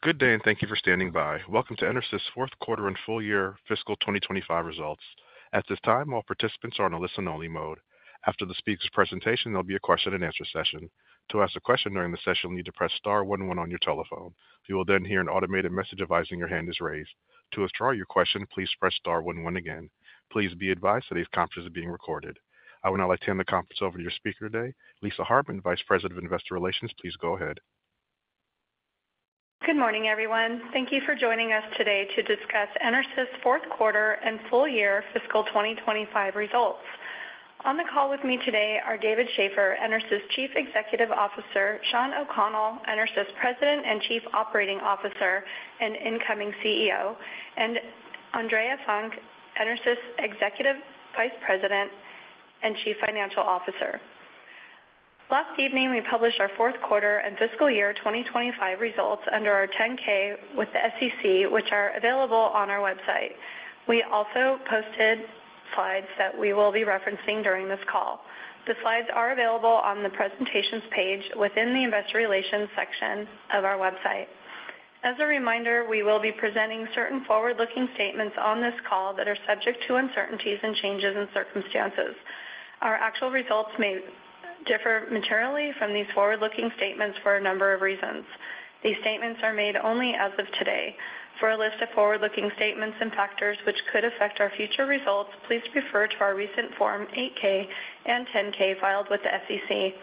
Good day, and thank you for standing by. Welcome to EnerSys fourth quarter and full year, fiscal 2025, results. At this time, all participants are on a listen-only mode. After the speaker's presentation, there'll be a question-and-answer session. To ask a question during the session, you'll need to press star one one on your telephone. You will then hear an automated message advising your hand is raised. To withdraw your question, please press star one one again. Please be advised that a conference is being recorded. I would now like to hand the conference over to your speaker today, Lisa Hartman, Vice President of Investor Relations. Please go ahead. Good morning, everyone. Thank you for joining us today to discuss EnerSys fourth quarter and full year, fiscal 2025, results. On the call with me today are David Shaffer, EnerSys Chief Executive Officer; O'Connell, EnerSys President and Chief Operating Officer and incoming CEO; and Andrea Funk, EnerSys Executive Vice President and Chief Financial Officer. Last evening, we published our fourth quarter and fiscal year 2025 results under our 10-K with the SEC, which are available on our website. We also posted slides that we will be referencing during this call. The slides are available on the presentations page within the Investor Relations section of our website. As a reminder, we will be presenting certain forward-looking statements on this call that are subject to uncertainties and changes in circumstances. Our actual results may differ materially from these forward-looking statements for a number of reasons. These statements are made only as of today. For a list of forward-looking statements and factors which could affect our future results, please refer to our recent Form 8-K and 10-K filed with the SEC.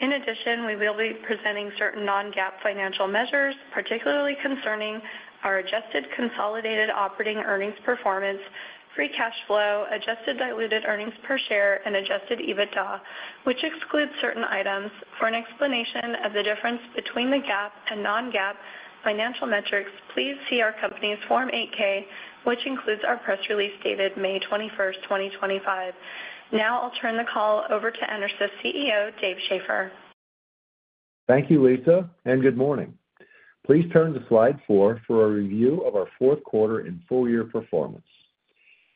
In addition, we will be presenting certain non-GAAP financial measures, particularly concerning our adjusted consolidated operating earnings performance, free cash flow, adjusted diluted earnings per share, and adjusted EBITDA, which excludes certain items. For an explanation of the difference between the GAAP and non-GAAP financial metrics, please see our company's Form 8-K, which includes our press release dated May 21, 2025. Now I'll turn the call over to EnerSys CEO, David Shaffer. Thank you, Lisa, and good morning. Please turn to slide four for a review of our fourth quarter and full year performance.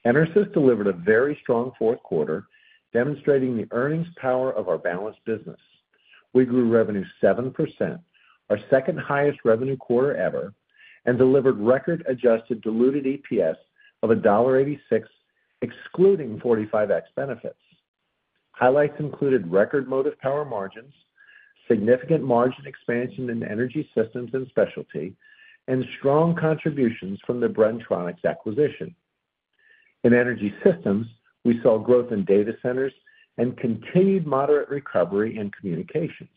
EnerSys delivered a very strong fourth quarter, demonstrating the earnings power of our balanced business. We grew revenue 7%, our second highest revenue quarter ever, and delivered record adjusted diluted EPS of $1.86, excluding 45X benefits. Highlights included record motive power margins, significant margin expansion in energy systems and specialty, and strong contributions from the Bren-Tronics acquisition. In energy systems, we saw growth in data centers and continued moderate recovery in communications.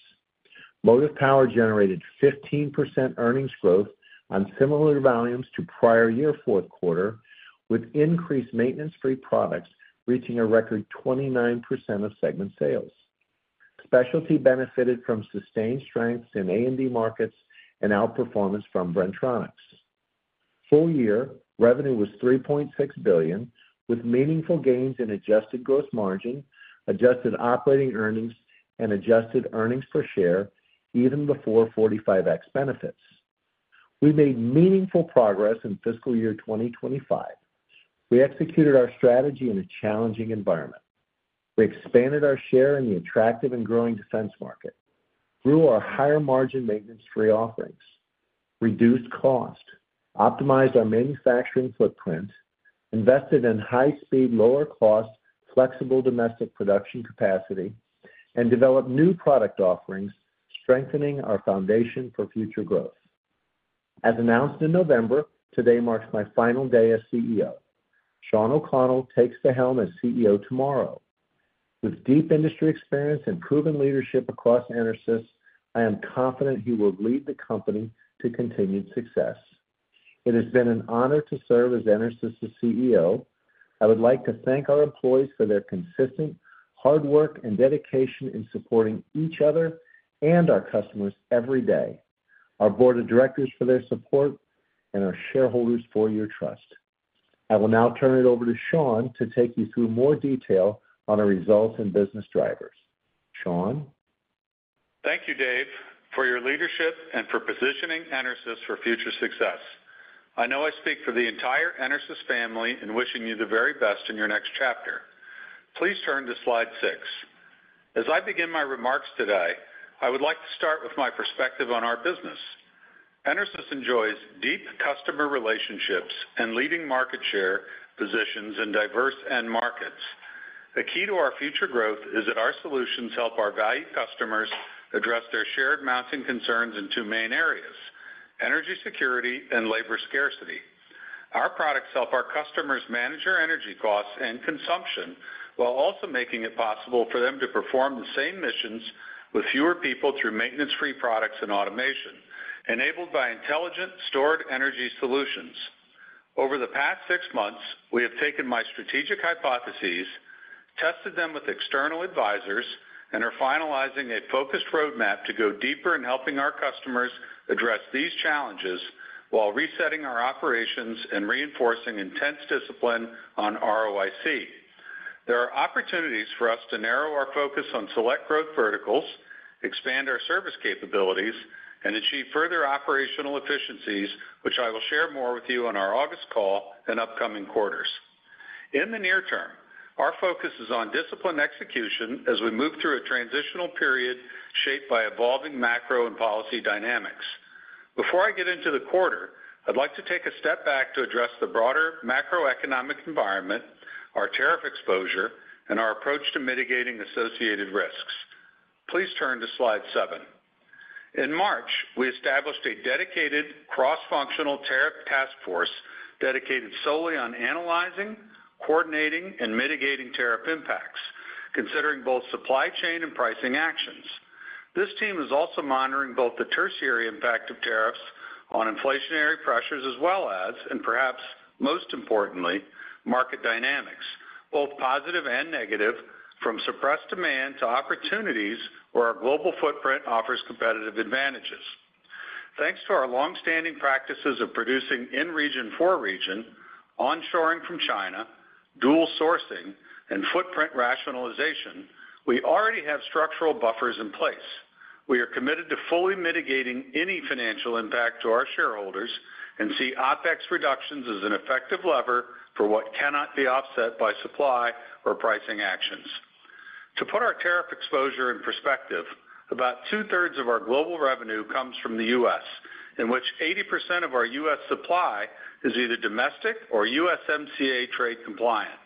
Motive power generated 15% earnings growth on similar volumes to prior year fourth quarter, with increased maintenance-free products reaching a record 29% of segment sales. Specialty benefited from sustained strengths in A&D markets and outperformance from Bren-Tronics. Full year revenue was $3.6 billion, with meaningful gains in adjusted gross margin, adjusted operating earnings, and adjusted earnings per share even before 45X benefits. We made meaningful progress in fiscal year 2025. We executed our strategy in a challenging environment. We expanded our share in the attractive and growing defense market, grew our higher margin maintenance-free offerings, reduced cost, optimized our manufacturing footprint, invested in high-speed, lower-cost, flexible domestic production capacity, and developed new product offerings, strengthening our foundation for future growth. As announced in November, today marks my final day as CEO. Shawn O'Connell takes the helm as CEO tomorrow. With deep industry experience and proven leadership across EnerSys, I am confident he will lead the company to continued success. It has been an honor to serve as EnerSys CEO. I would like to thank our employees for their consistent hard work and dedication in supporting each other and our customers every day, our board of directors for their support, and our shareholders for your trust. I will now turn it over to Shawn to take you through more detail on our results and business drivers. Shawn. Thank you, Dave, for your leadership and for positioning EnerSys for future success. I know I speak for the entire EnerSys family in wishing you the very best in your next chapter. Please turn to slide six. As I begin my remarks today, I would like to start with my perspective on our business. EnerSys enjoys deep customer relationships and leading market share positions in diverse end markets. The key to our future growth is that our solutions help our valued customers address their shared mounting concerns in two main areas: energy security and labor scarcity. Our products help our customers manage their energy costs and consumption while also making it possible for them to perform the same missions with fewer people through maintenance-free products and automation, enabled by intelligent stored energy solutions. Over the past six months, we have taken my strategic hypotheses, tested them with external advisors, and are finalizing a focused roadmap to go deeper in helping our customers address these challenges while resetting our operations and reinforcing intense discipline on ROIC. There are opportunities for us to narrow our focus on select growth verticals, expand our service capabilities, and achieve further operational efficiencies, which I will share more with you on our August call and upcoming quarters. In the near term, our focus is on discipline execution as we move through a transitional period shaped by evolving macro and policy dynamics. Before I get into the quarter, I'd like to take a step back to address the broader macroeconomic environment, our tariff exposure, and our approach to mitigating associated risks. Please turn to slide seven. In March, we established a dedicated cross-functional tariff task force dedicated solely to analyzing, coordinating, and mitigating tariff impacts, considering both supply chain and pricing actions. This team is also monitoring both the tertiary impact of tariffs on inflationary pressures as well as, and perhaps most importantly, market dynamics, both positive and negative, from suppressed demand to opportunities where our global footprint offers competitive advantages. Thanks to our longstanding practices of producing in-region for region, onshoring from China, dual sourcing, and footprint rationalization, we already have structural buffers in place. We are committed to fully mitigating any financial impact to our shareholders and see OpEx reductions as an effective lever for what cannot be offset by supply or pricing actions. To put our tariff exposure in perspective, about two-thirds of our global revenue comes from the U.S., in which 80% of our U.S. supply is either domestic or USMCA trade compliant.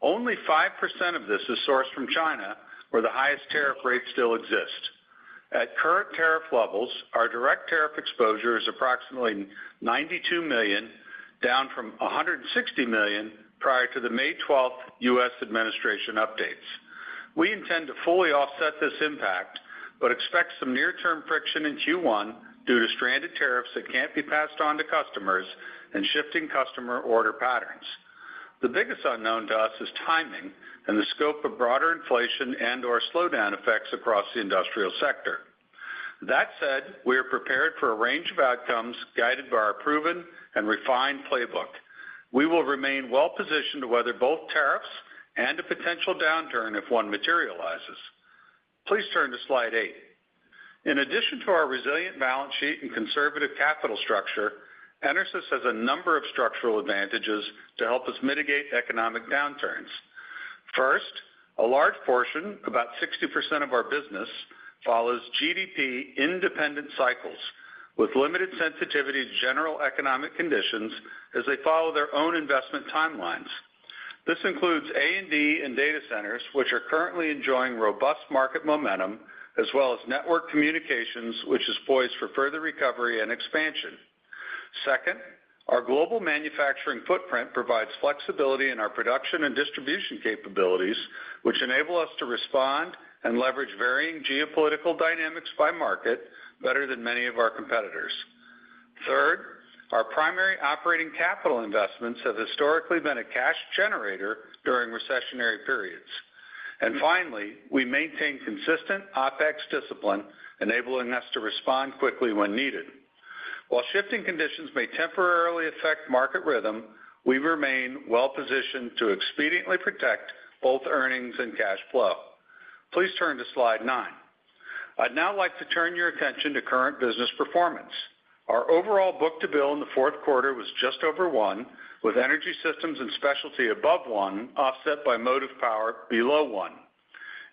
Only 5% of this is sourced from China, where the highest tariff rates still exist. At current tariff levels, our direct tariff exposure is approximately $92 million, down from $160 million prior to the May 12th U.S. administration updates. We intend to fully offset this impact but expect some near-term friction in Q1 due to stranded tariffs that can't be passed on to customers and shifting customer order patterns. The biggest unknown to us is timing and the scope of broader inflation and/or slowdown effects across the industrial sector. That said, we are prepared for a range of outcomes guided by our proven and refined playbook. We will remain well-positioned to weather both tariffs and a potential downturn if one materializes. Please turn to slide eight. In addition to our resilient balance sheet and conservative capital structure, EnerSys has a number of structural advantages to help us mitigate economic downturns. First, a large portion, about 60% of our business, follows GDP independent cycles with limited sensitivity to general economic conditions as they follow their own investment timelines. This includes A&D and data centers, which are currently enjoying robust market momentum, as well as network communications, which is poised for further recovery and expansion. Second, our global manufacturing footprint provides flexibility in our production and distribution capabilities, which enable us to respond and leverage varying geopolitical dynamics by market better than many of our competitors. Third, our primary operating capital investments have historically been a cash generator during recessionary periods. Finally, we maintain consistent OpEx discipline, enabling us to respond quickly when needed. While shifting conditions may temporarily affect market rhythm, we remain well-positioned to expediently protect both earnings and cash flow. Please turn to slide nine. I'd now like to turn your attention to current business performance. Our overall book-to-bill in the fourth quarter was just over one, with energy systems and specialty above one, offset by motive power below one.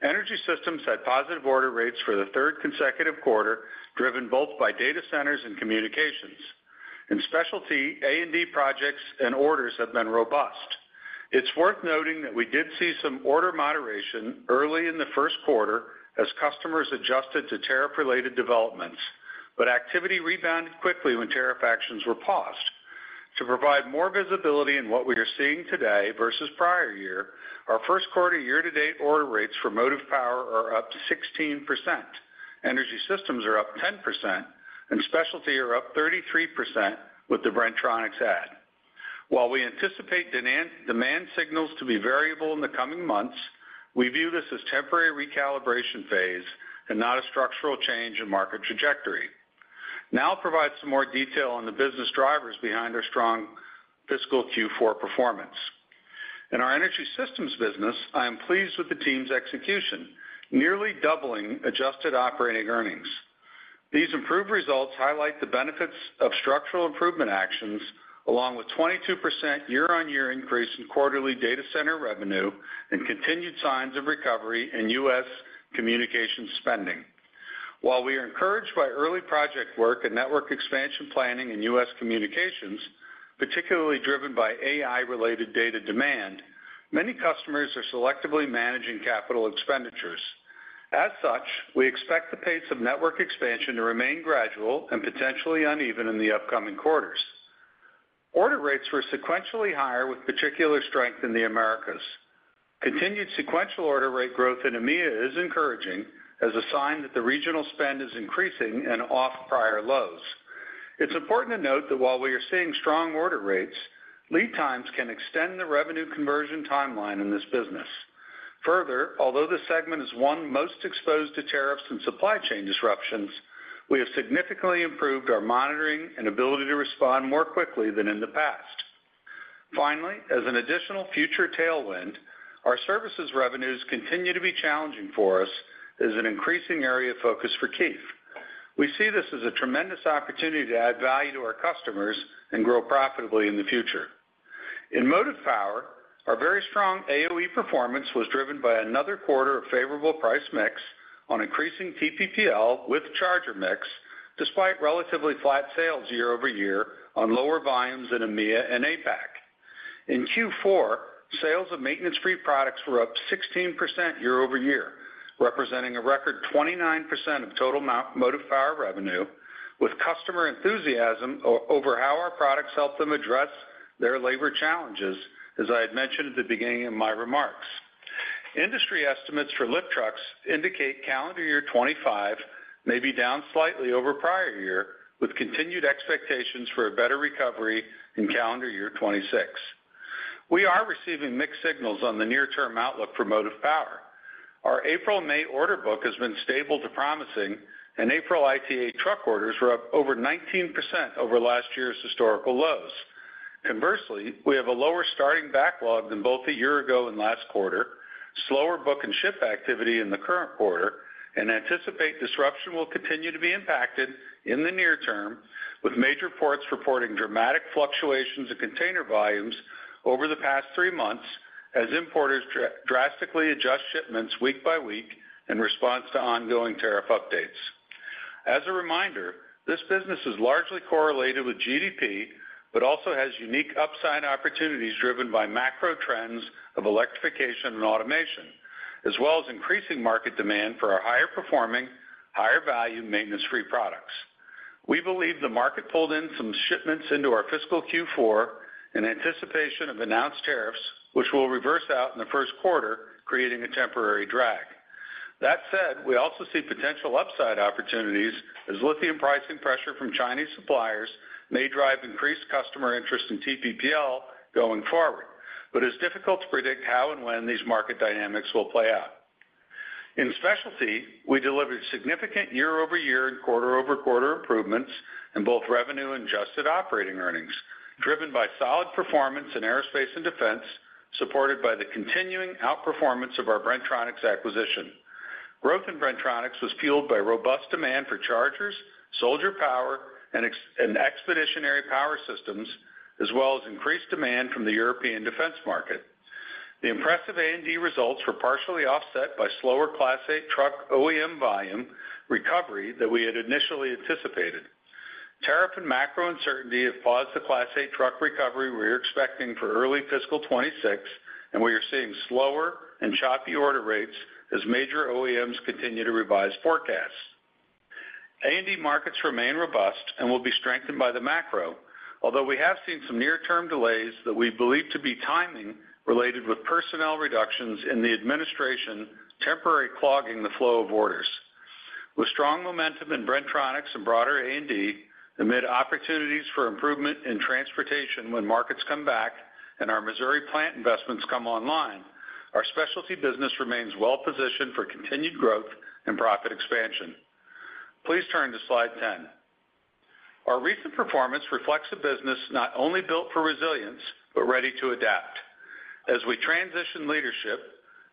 Energy systems had positive order rates for the third consecutive quarter, driven both by data centers and communications. In specialty, A&D projects and orders have been robust. It's worth noting that we did see some order moderation early in the first quarter as customers adjusted to tariff-related developments, but activity rebounded quickly when tariff actions were paused. To provide more visibility in what we are seeing today versus prior year, our first-quarter year-to-date order rates for motive power are up 16%. Energy systems are up 10%, and specialty are up 33% with the Bren-Tronics add. While we anticipate demand signals to be variable in the coming months, we view this as a temporary recalibration phase and not a structural change in market trajectory. Now I'll provide some more detail on the business drivers behind our strong fiscal Q4 performance. In our energy systems business, I am pleased with the team's execution, nearly doubling adjusted operating earnings. These improved results highlight the benefits of structural improvement actions, along with a 22% year-on-year increase in quarterly data center revenue and continued signs of recovery in U.S. communications spending. While we are encouraged by early project work and network expansion planning in U.S. communications, particularly driven by AI-related data demand, many customers are selectively managing capital expenditures. As such, we expect the pace of network expansion to remain gradual and potentially uneven in the upcoming quarters. Order rates were sequentially higher with particular strength in the Americas. Continued sequential order rate growth in EMEA is encouraging as a sign that the regional spend is increasing and off prior lows. It's important to note that while we are seeing strong order rates, lead times can extend the revenue conversion timeline in this business. Further, although the segment is one most exposed to tariffs and supply chain disruptions, we have significantly improved our monitoring and ability to respond more quickly than in the past. Finally, as an additional future tailwind, our services revenues continue to be challenging for us as an increasing area of focus for Keith. We see this as a tremendous opportunity to add value to our customers and grow profitably in the future. In motive power, our very strong AOE performance was driven by another quarter of favorable price mix on increasing TPPL with charger mix, despite relatively flat sales year over year on lower volumes in EMEA and APAC. In Q4, sales of maintenance-free products were up 16% year over year, representing a record 29% of total motive power revenue, with customer enthusiasm over how our products help them address their labor challenges, as I had mentioned at the beginning of my remarks. Industry estimates for lift trucks indicate calendar year 2025 may be down slightly over prior year, with continued expectations for a better recovery in calendar year 2026. We are receiving mixed signals on the near-term outlook for motive power. Our April-May order book has been stable to promising, and April ITA truck orders were up over 19% over last year's historical lows. Conversely, we have a lower starting backlog than both a year ago and last quarter, slower book and ship activity in the current quarter, and anticipate disruption will continue to be impacted in the near term, with major ports reporting dramatic fluctuations in container volumes over the past three months as importers drastically adjust shipments week by week in response to ongoing tariff updates. As a reminder, this business is largely correlated with GDP, but also has unique upside opportunities driven by macro trends of electrification and automation, as well as increasing market demand for our higher-performing, higher-value maintenance-free products. We believe the market pulled in some shipments into our fiscal Q4 in anticipation of announced tariffs, which will reverse out in the first quarter, creating a temporary drag. That said, we also see potential upside opportunities as lithium pricing pressure from Chinese suppliers may drive increased customer interest in TPPL going forward, but it's difficult to predict how and when these market dynamics will play out. In specialty, we delivered significant year-over-year and quarter-over-quarter improvements in both revenue and adjusted operating earnings, driven by solid performance in aerospace and defense, supported by the continuing outperformance of our Bren-Tronics acquisition. Growth in Bren-Tronics was fueled by robust demand for chargers, soldier power, and expeditionary power systems, as well as increased demand from the European defense market. The impressive A&D results were partially offset by slower Class eight truck OEM volume recovery that we had initially anticipated. Tariff and macro uncertainty have paused the Class 8 truck recovery we were expecting for early fiscal 2026, and we are seeing slower and choppy order rates as major OEMs continue to revise forecasts. A&D markets remain robust and will be strengthened by the macro, although we have seen some near-term delays that we believe to be timing related with personnel reductions in the administration temporarily clogging the flow of orders. With strong momentum in Bren-Tronics and broader A&D, amid opportunities for improvement in transportation when markets come back and our Missouri plant investments come online, our specialty business remains well-positioned for continued growth and profit expansion. Please turn to slide 10. Our recent performance reflects a business not only built for resilience but ready to adapt. As we transition leadership,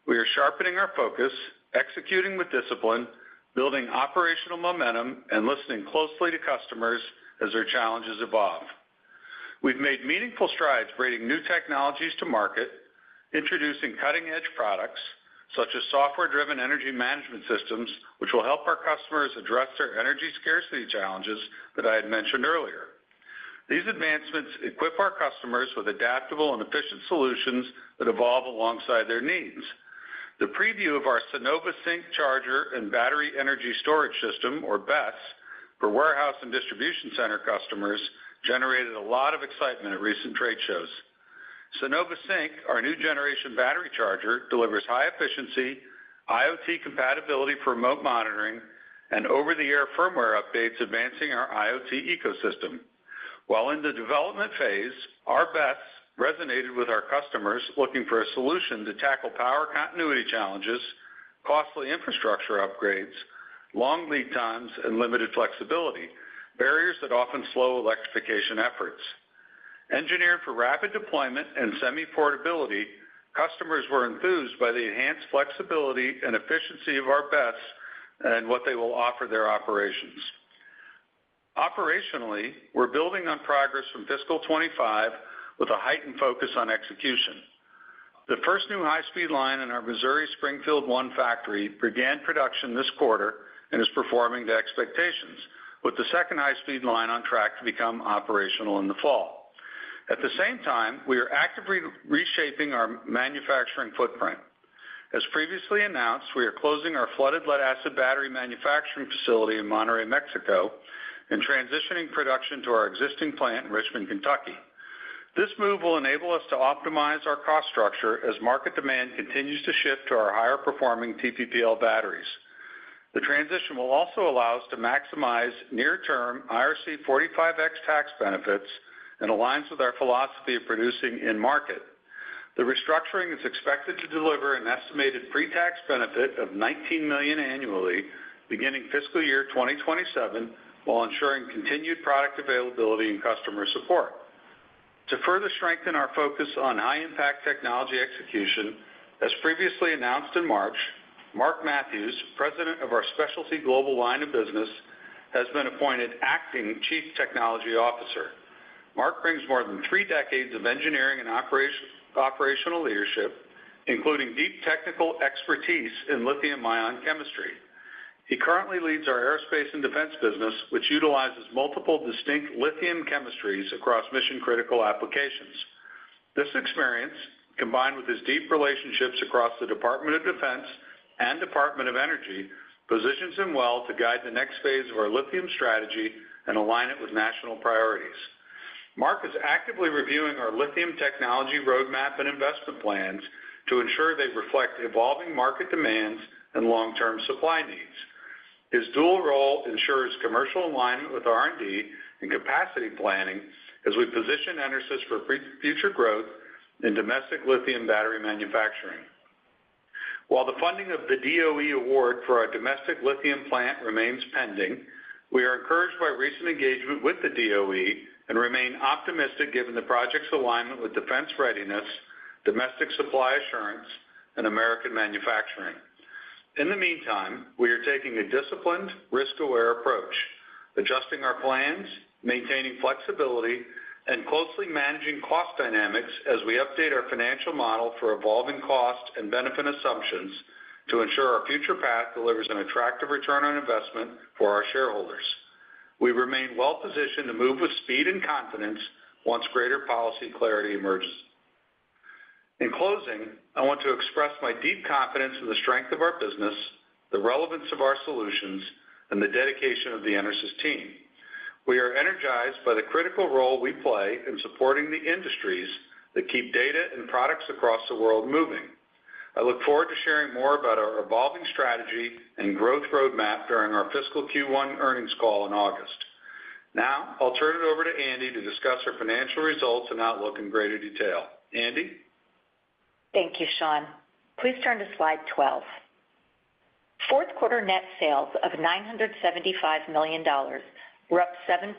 we are sharpening our focus, executing with discipline, building operational momentum, and listening closely to customers as their challenges evolve. We've made meaningful strides bringing new technologies to market, introducing cutting-edge products such as software-driven energy management systems, which will help our customers address their energy scarcity challenges that I had mentioned earlier. These advancements equip our customers with adaptable and efficient solutions that evolve alongside their needs. The preview of our Synova Sync Charger and Battery Energy Storage System, or BESS, for warehouse and distribution center customers generated a lot of excitement at recent trade shows. Synova Sync, our new generation battery charger, delivers high efficiency, IoT compatibility for remote monitoring, and over-the-air firmware updates advancing our IoT ecosystem. While in the development phase, our BESS resonated with our customers looking for a solution to tackle power continuity challenges, costly infrastructure upgrades, long lead times, and limited flexibility, barriers that often slow electrification efforts. Engineered for rapid deployment and semi-portability, customers were enthused by the enhanced flexibility and efficiency of our BESS and what they will offer their operations. Operationally, we're building on progress from fiscal 2025 with a heightened focus on execution. The first new high-speed line in our Missouri Springfield One factory began production this quarter and is performing to expectations, with the second high-speed line on track to become operational in the fall. At the same time, we are actively reshaping our manufacturing footprint. As previously announced, we are closing our flooded lead-acid battery manufacturing facility in Monterrey, Mexico, and transitioning production to our existing plant in Richmond, Kentucky. This move will enable us to optimize our cost structure as market demand continues to shift to our higher-performing TPPL batteries. The transition will also allow us to maximize near-term IRC 45X tax benefits and aligns with our philosophy of producing in-market. The restructuring is expected to deliver an estimated pre-tax benefit of $19 million annually beginning fiscal year 2027 while ensuring continued product availability and customer support. To further strengthen our focus on high-impact technology execution, as previously announced in March, Mark Mathews, President of our Specialty Global line of business, has been appointed Acting Chief Technology Officer. Mark brings more than three decades of engineering and operational leadership, including deep technical expertise in lithium-ion chemistry. He currently leads our aerospace and defense business, which utilizes multiple distinct lithium chemistries across mission-critical applications. This experience, combined with his deep relationships across the Department of Defense and Department of Energy, positions him well to guide the next phase of our lithium strategy and align it with national priorities. Mark is actively reviewing our lithium technology roadmap and investment plans to ensure they reflect evolving market demands and long-term supply needs. His dual role ensures commercial alignment with R&D and capacity planning as we position EnerSys for future growth in domestic lithium battery manufacturing. While the funding of the DOE award for our domestic lithium plant remains pending, we are encouraged by recent engagement with the DOE and remain optimistic given the project's alignment with defense readiness, domestic supply assurance, and American manufacturing. In the meantime, we are taking a disciplined, risk-aware approach, adjusting our plans, maintaining flexibility, and closely managing cost dynamics as we update our financial model for evolving cost and benefit assumptions to ensure our future path delivers an attractive return on investment for our shareholders. We remain well-positioned to move with speed and confidence once greater policy clarity emerges. In closing, I want to express my deep confidence in the strength of our business, the relevance of our solutions, and the dedication of the EnerSys team. We are energized by the critical role we play in supporting the industries that keep data and products across the world moving. I look forward to sharing more about our evolving strategy and growth roadmap during our fiscal Q1 earnings call in August. Now, I'll turn it over to Andy to discuss our financial results and outlook in greater detail. Andy? Thank you, Shawn. Please turn to slide 12. Fourth-quarter net sales of $975 million were up 7%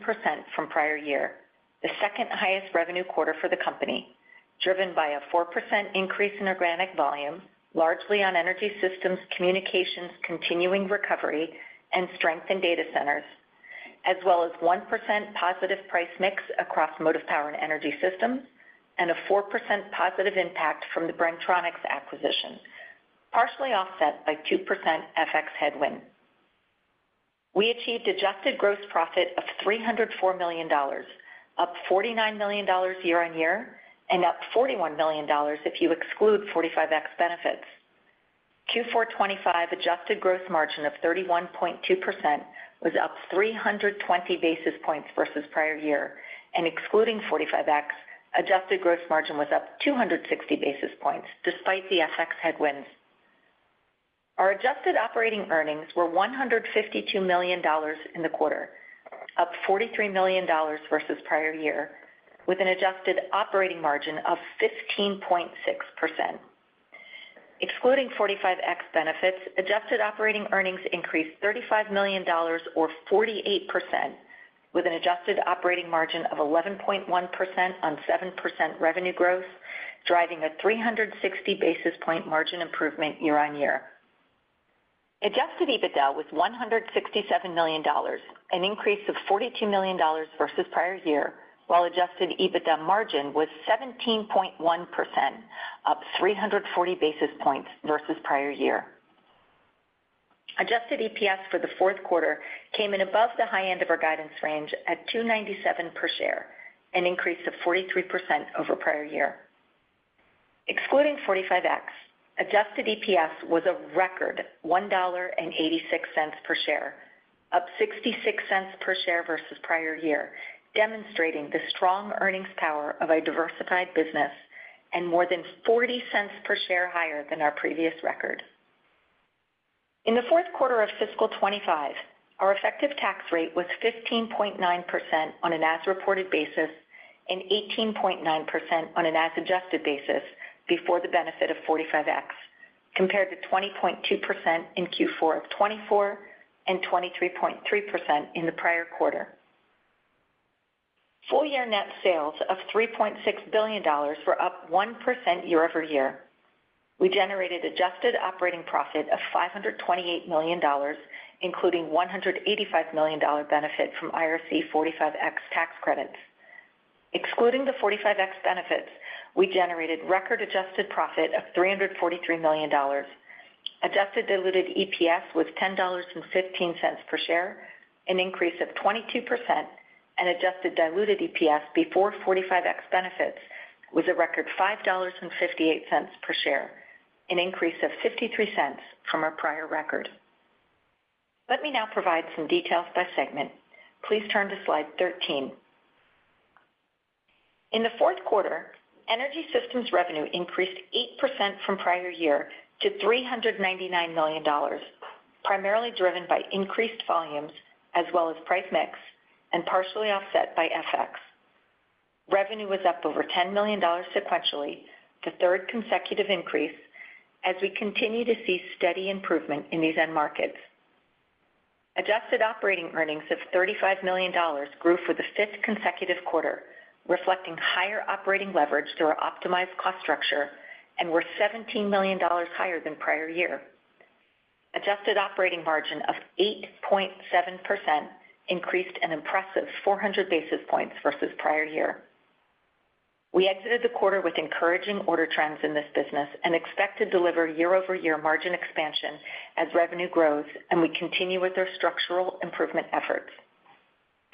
from prior year, the second highest revenue quarter for the company, driven by a 4% increase in organic volume, largely on energy systems, communications, continuing recovery, and strength in data centers, as well as a 1% positive price mix across motive power and energy systems and a 4% positive impact from the Bren-Tronics acquisition, partially offset by a 2% FX headwind. We achieved adjusted gross profit of $304 million, up $49 million year-on-year and up $41 million if you exclude 45X benefits. Q4 2025 adjusted gross margin of 31.2% was up 320 basis points versus prior year, and excluding 45X, adjusted gross margin was up 260 basis points despite the FX headwinds. Our adjusted operating earnings were $152 million in the quarter, up $43 million versus prior year, with an adjusted operating margin of 15.6%. Excluding 45X benefits, adjusted operating earnings increased $35 million, or 48%, with an adjusted operating margin of 11.1% on 7% revenue growth, driving a 360 basis point margin improvement year-on-year. Adjusted EBITDA was $167 million, an increase of $42 million versus prior year, while adjusted EBITDA margin was 17.1%, up 340 basis points versus prior year. Adjusted EPS for the fourth quarter came in above the high end of our guidance range at $2.97 per share, an increase of 43% over prior year. Excluding 45X, adjusted EPS was a record $1.86 per share, up 66 cents per share versus prior year, demonstrating the strong earnings power of a diversified business and more than 40 cents per share higher than our previous record. In the fourth quarter of fiscal 2025, our effective tax rate was 15.9% on an as-reported basis and 18.9% on an as-adjusted basis before the benefit of 45X, compared to 20.2% in Q4 of 2024 and 23.3% in the prior quarter. Full-year net sales of $3.6 billion were up 1% year-over-year. We generated adjusted operating profit of $528 million, including $185 million benefit from IRC 45X tax credits. Excluding the 45X benefits, we generated record-adjusted profit of $343 million. Adjusted diluted EPS was $10.15 per share, an increase of 22%, and adjusted diluted EPS before 45X benefits was a record $5.58 per share, an increase of 53 cents from our prior record. Let me now provide some details by segment. Please turn to slide 13. In the fourth quarter, energy systems revenue increased 8% from prior year to $399 million, primarily driven by increased volumes as well as price mix and partially offset by FX. Revenue was up over $10 million sequentially, the third consecutive increase, as we continue to see steady improvement in these end markets. Adjusted operating earnings of $35 million grew for the fifth consecutive quarter, reflecting higher operating leverage through our optimized cost structure and were $17 million higher than prior year. Adjusted operating margin of 8.7% increased an impressive 400 basis points versus prior year. We exited the quarter with encouraging order trends in this business and expect to deliver year-over-year margin expansion as revenue grows and we continue with our structural improvement efforts.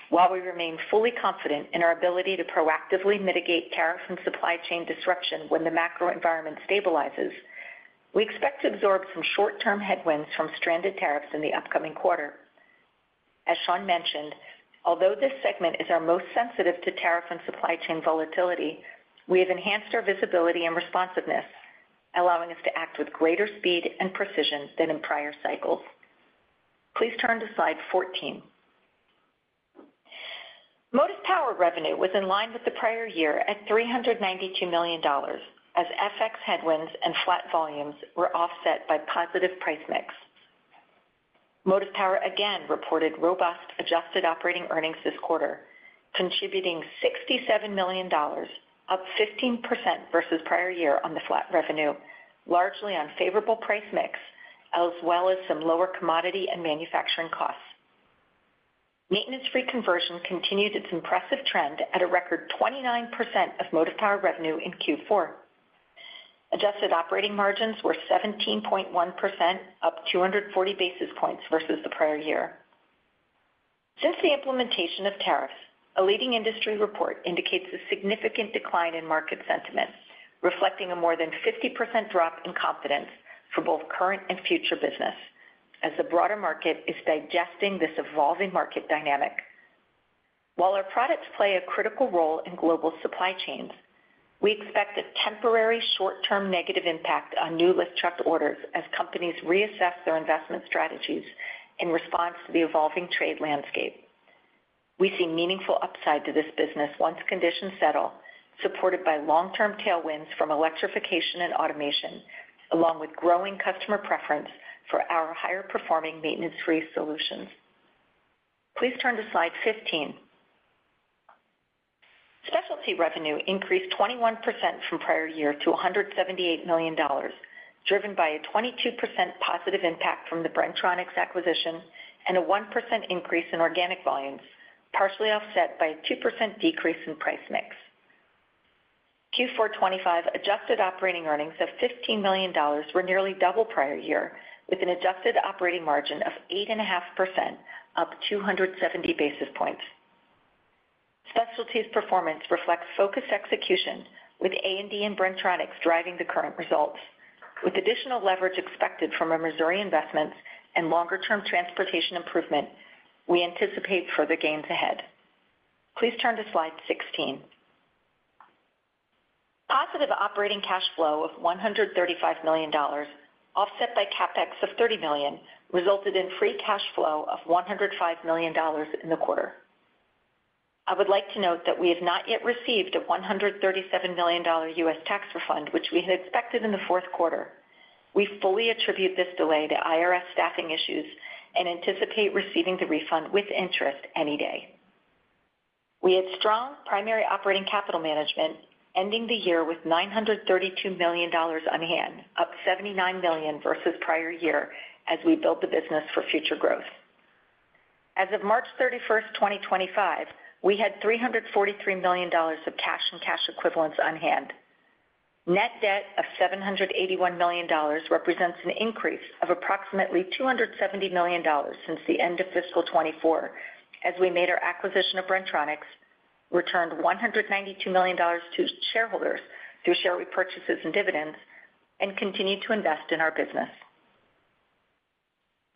While we remain fully confident in our ability to proactively mitigate tariff and supply chain disruption when the macro environment stabilizes, we expect to absorb some short-term headwinds from stranded tariffs in the upcoming quarter. As Shawn mentioned, although this segment is our most sensitive to tariff and supply chain volatility, we have enhanced our visibility and responsiveness, allowing us to act with greater speed and precision than in prior cycles. Please turn to slide 14. Motive Power revenue was in line with the prior year at $392 million as FX headwinds and flat volumes were offset by positive price mix. Motive Power again reported robust adjusted operating earnings this quarter, contributing $67 million, up 15% versus prior year on the flat revenue, largely on favorable price mix as well as some lower commodity and manufacturing costs. Maintenance-free conversion continued its impressive trend at a record 29% of Motive Power revenue in Q4. Adjusted operating margins were 17.1%, up 240 basis points versus the prior year. Since the implementation of tariffs, a leading industry report indicates a significant decline in market sentiment, reflecting a more than 50% drop in confidence for both current and future business as the broader market is digesting this evolving market dynamic. While our products play a critical role in global supply chains, we expect a temporary short-term negative impact on new lift truck orders as companies reassess their investment strategies in response to the evolving trade landscape. We see meaningful upside to this business once conditions settle, supported by long-term tailwinds from electrification and automation, along with growing customer preference for our higher-performing maintenance-free solutions. Please turn to slide 15. Specialty revenue increased 21% from prior year to $178 million, driven by a 22% positive impact from the Bren-Tronics acquisition and a 1% increase in organic volumes, partially offset by a 2% decrease in price mix. Q4 2025 adjusted operating earnings of $15 million were nearly double prior year, with an adjusted operating margin of 8.5%, up 270 basis points. Specialty's performance reflects focused execution, with A&D and Bren-Tronics driving the current results. With additional leverage expected from our Missouri investments and longer-term transportation improvement, we anticipate further gains ahead. Please turn to slide 16. Positive operating cash flow of $135 million, offset by CapEx of $30 million, resulted in free cash flow of $105 million in the quarter. I would like to note that we have not yet received a $137 million U.S. tax refund, which we had expected in the fourth quarter. We fully attribute this delay to IRS staffing issues and anticipate receiving the refund with interest any day. We had strong primary operating capital management, ending the year with $932 million on hand, up $79 million versus prior year as we build the business for future growth. As of March 31, 2025, we had $343 million of cash and cash equivalents on hand. Net debt of $781 million represents an increase of approximately $270 million since the end of fiscal 2024, as we made our acquisition of Bren-Tronics, returned $192 million to shareholders through share repurchases and dividends, and continued to invest in our business.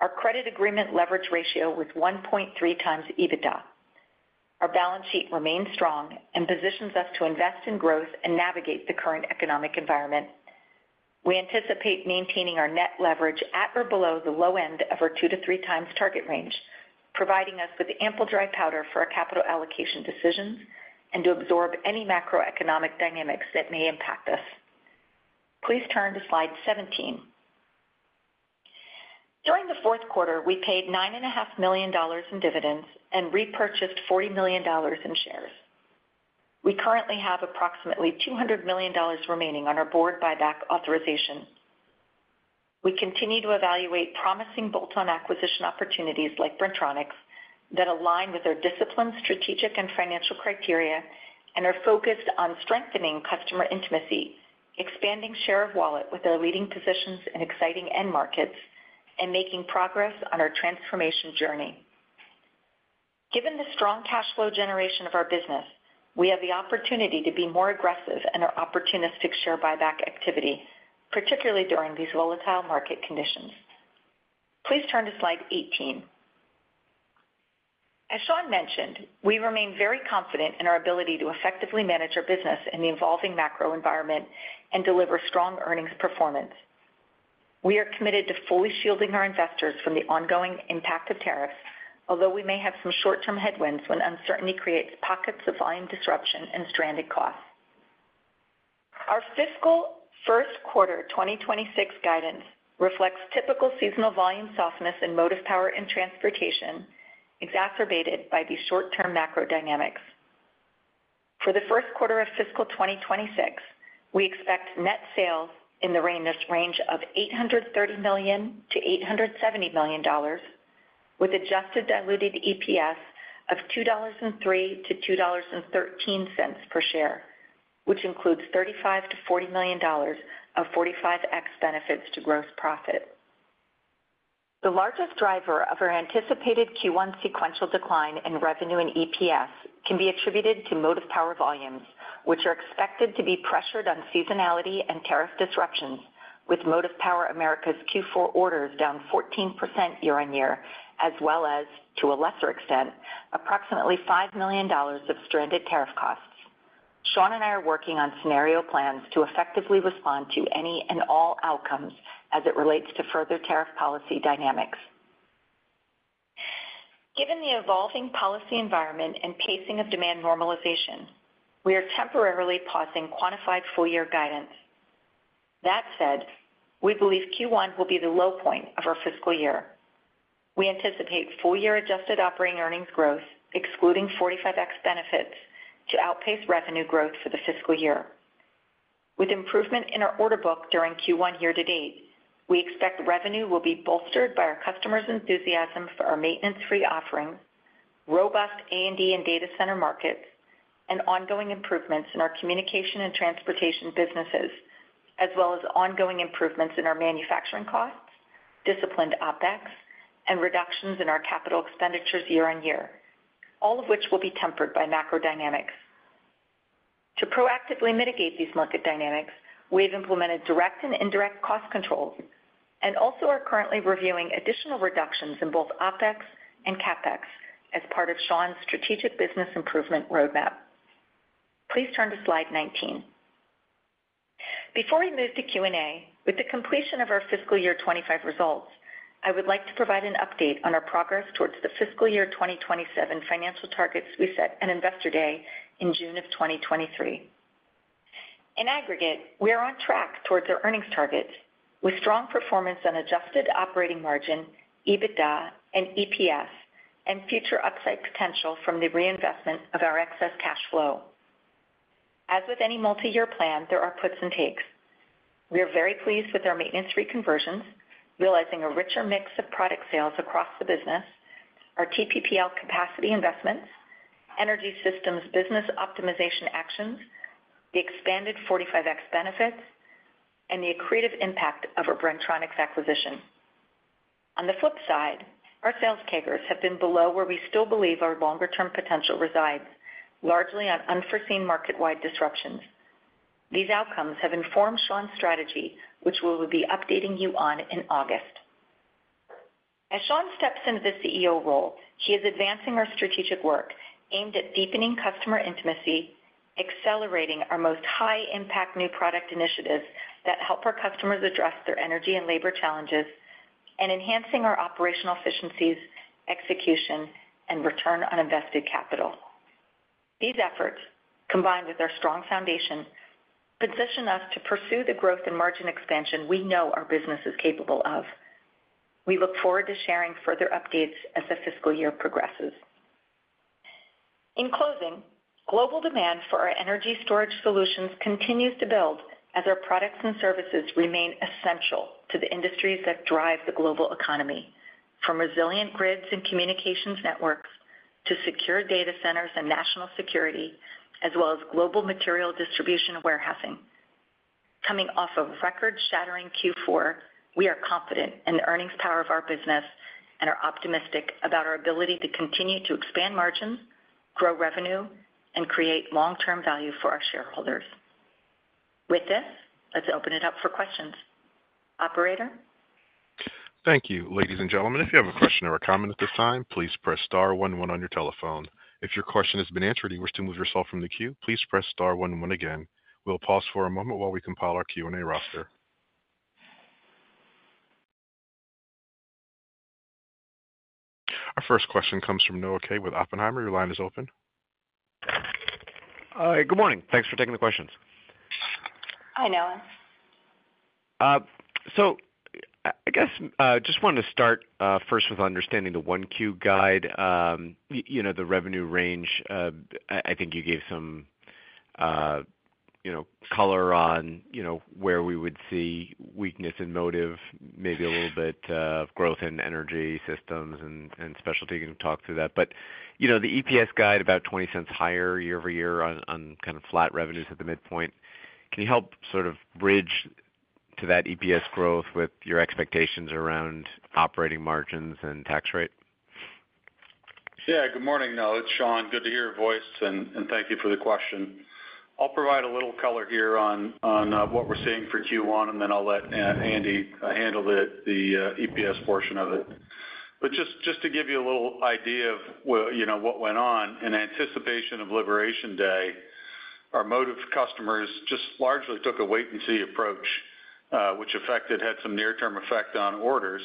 Our credit agreement leverage ratio was 1.3 times EBITDA. Our balance sheet remains strong and positions us to invest in growth and navigate the current economic environment. We anticipate maintaining our net leverage at or below the low end of our 2-3 times target range, providing us with ample dry powder for our capital allocation decisions and to absorb any macroeconomic dynamics that may impact us. Please turn to slide 17. During the fourth quarter, we paid $9.5 million in dividends and repurchased $40 million in shares. We currently have approximately $200 million remaining on our board buyback authorization. We continue to evaluate promising bolt-on acquisition opportunities like Bren-Tronics that align with our discipline, strategic, and financial criteria and are focused on strengthening customer intimacy, expanding share of wallet with our leading positions in exciting end markets, and making progress on our transformation journey. Given the strong cash flow generation of our business, we have the opportunity to be more aggressive in our opportunistic share buyback activity, particularly during these volatile market conditions. Please turn to slide 18. As Shawn mentioned, we remain very confident in our ability to effectively manage our business in the evolving macro environment and deliver strong earnings performance. We are committed to fully shielding our investors from the ongoing impact of tariffs, although we may have some short-term headwinds when uncertainty creates pockets of volume disruption and stranded costs. Our fiscal first quarter 2026 guidance reflects typical seasonal volume softness in motive power and transportation, exacerbated by these short-term macro dynamics. For the first quarter of fiscal 2026, we expect net sales in the range of $830 million-$870 million, with adjusted diluted EPS of $2.03-$2.13 per share, which includes $35-$40 million of 45X benefits to gross profit. The largest driver of our anticipated Q1 sequential decline in revenue and EPS can be attributed to motive power volumes, which are expected to be pressured on seasonality and tariff disruptions, with Motive Power Americas Q4 orders down 14% year-on-year, as well as, to a lesser extent, approximately $5 million of stranded tariff costs. Shawn and I are working on scenario plans to effectively respond to any and all outcomes as it relates to further tariff policy dynamics. Given the evolving policy environment and pacing of demand normalization, we are temporarily pausing quantified full-year guidance. That said, we believe Q1 will be the low point of our fiscal year. We anticipate full-year adjusted operating earnings growth, excluding 45X benefits, to outpace revenue growth for the fiscal year. With improvement in our order book during Q1 year to date, we expect revenue will be bolstered by our customers' enthusiasm for our maintenance-free offerings, robust A&D and data center markets, and ongoing improvements in our communication and transportation businesses, as well as ongoing improvements in our manufacturing costs, disciplined OpEx, and reductions in our capital expenditures year-on-year, all of which will be tempered by macro dynamics. To proactively mitigate these market dynamics, we have implemented direct and indirect cost controls and also are currently reviewing additional reductions in both OpEx and CapEx as part of Shawn's strategic business improvement roadmap. Please turn to slide 19. Before we move to Q&A, with the completion of our fiscal year 2025 results, I would like to provide an update on our progress towards the fiscal year 2027 financial targets we set at Investor Day in June of 2023. In aggregate, we are on track towards our earnings targets with strong performance on adjusted operating margin, EBITDA, and EPS, and future upside potential from the reinvestment of our excess cash flow. As with any multi-year plan, there are puts and takes. We are very pleased with our maintenance-free conversions, realizing a richer mix of product sales across the business, our TPPL capacity investments, energy systems business optimization actions, the expanded 45X benefits, and the accretive impact of our Bren-Tronics acquisition. On the flip side, our sales CAGRs have been below where we still believe our longer-term potential resides, largely on unforeseen market-wide disruptions. These outcomes have informed Shawn's strategy, which we will be updating you on in August. As Shawn steps into the CEO role, he is advancing our strategic work aimed at deepening customer intimacy, accelerating our most high-impact new product initiatives that help our customers address their energy and labor challenges, and enhancing our operational efficiencies, execution, and return on invested capital. These efforts, combined with our strong foundation, position us to pursue the growth and margin expansion we know our business is capable of. We look forward to sharing further updates as the fiscal year progresses. In closing, global demand for our energy storage solutions continues to build as our products and services remain essential to the industries that drive the global economy, from resilient grids and communications networks to secure data centers and national security, as well as global material distribution and warehousing. Coming off of record-shattering Q4, we are confident in the earnings power of our business and are optimistic about our ability to continue to expand margins, grow revenue, and create long-term value for our shareholders. With this, let's open it up for questions. Operator. Thank you, ladies and gentlemen. If you have a question or a comment at this time, please press star one one on your telephone. If your question has been answered and you wish to move yourself from the queue, please press star one one again. We'll pause for a moment while we compile our Q&A roster. Our first question comes from Noah Kaye with Oppenheimer. Your line is open. Good morning. Thanks for taking the questions. So I guess I just wanted to start first with understanding the one Q guide, the revenue range. I think you gave some color on where we would see weakness in motive, maybe a little bit of growth in energy systems and specialty. You can talk through that. The EPS guide, about 26 higher year over year on kind of flat revenues at the midpoint. Can you help sort of bridge to that EPS growth with your expectations around operating margins and tax rate? Yeah. Good morning, Noah. It's Shawn. Good to hear your voice, and thank you for the question. I'll provide a little color here on what we're seeing for Q1, and then I'll let Andy handle the EPS portion of it. Just to give you a little idea of what went on, in anticipation of Liberation Day, our motive customers just largely took a wait-and-see approach, which had some near-term effect on orders.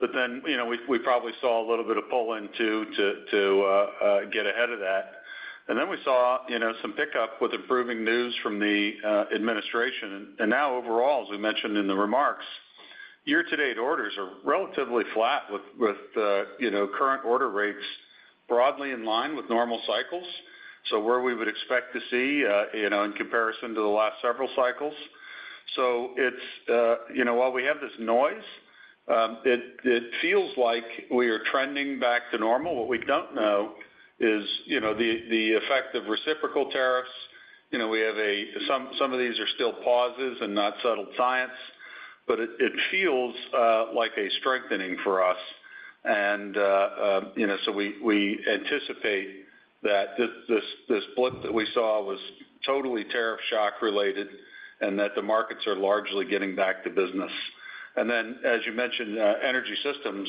We probably saw a little bit of pull-in to get ahead of that. We saw some pickup with improving news from the administration. Overall, as we mentioned in the remarks, year-to-date orders are relatively flat with current order rates, broadly in line with normal cycles, so where we would expect to see in comparison to the last several cycles. While we have this noise, it feels like we are trending back to normal. What we do not know is the effect of reciprocal tariffs. Some of these are still pauses and not settled science, but it feels like a strengthening for us. We anticipate that this blip that we saw was totally tariff shock-related and that the markets are largely getting back to business. As you mentioned, energy systems,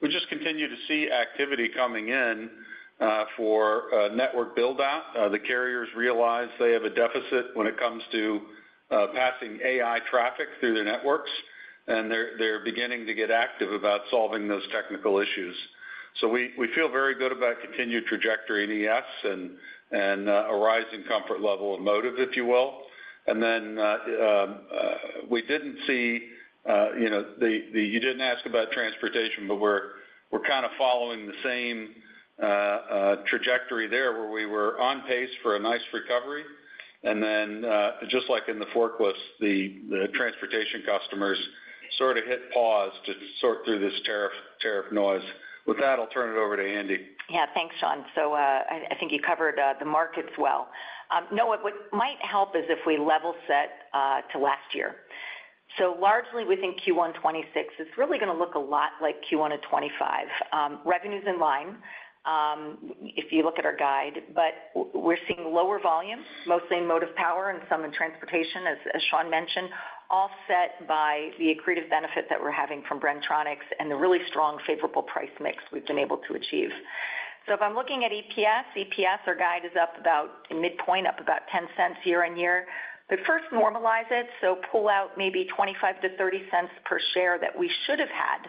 we just continue to see activity coming in for network buildout. The carriers realize they have a deficit when it comes to passing AI traffic through their networks, and they're beginning to get active about solving those technical issues. We feel very good about continued trajectory in ES and a rising comfort level of motive, if you will. We did not see the you did not ask about transportation, but we're kind of following the same trajectory there where we were on pace for a nice recovery. Just like in the forklifts, the transportation customers sort of hit pause to sort through this tariff noise. With that, I'll turn it over to Andy. Yeah. Thanks, Shawn. I think you covered the markets well. Noah, what might help is if we level set to last year. Largely within Q1 2026, it's really going to look a lot like Q1 of 2025. Revenues in line, if you look at our guide, but we're seeing lower volume, mostly in motive power and some in transportation, as Shawn mentioned, offset by the accretive benefit that we're having from Bren-Tronics and the really strong favorable price mix we've been able to achieve. If I'm looking at EPS, EPS, our guide is up about midpoint, up about $0.10 year-on-year. First, normalize it, so pull out maybe $0.25-$0.30 per share that we should have had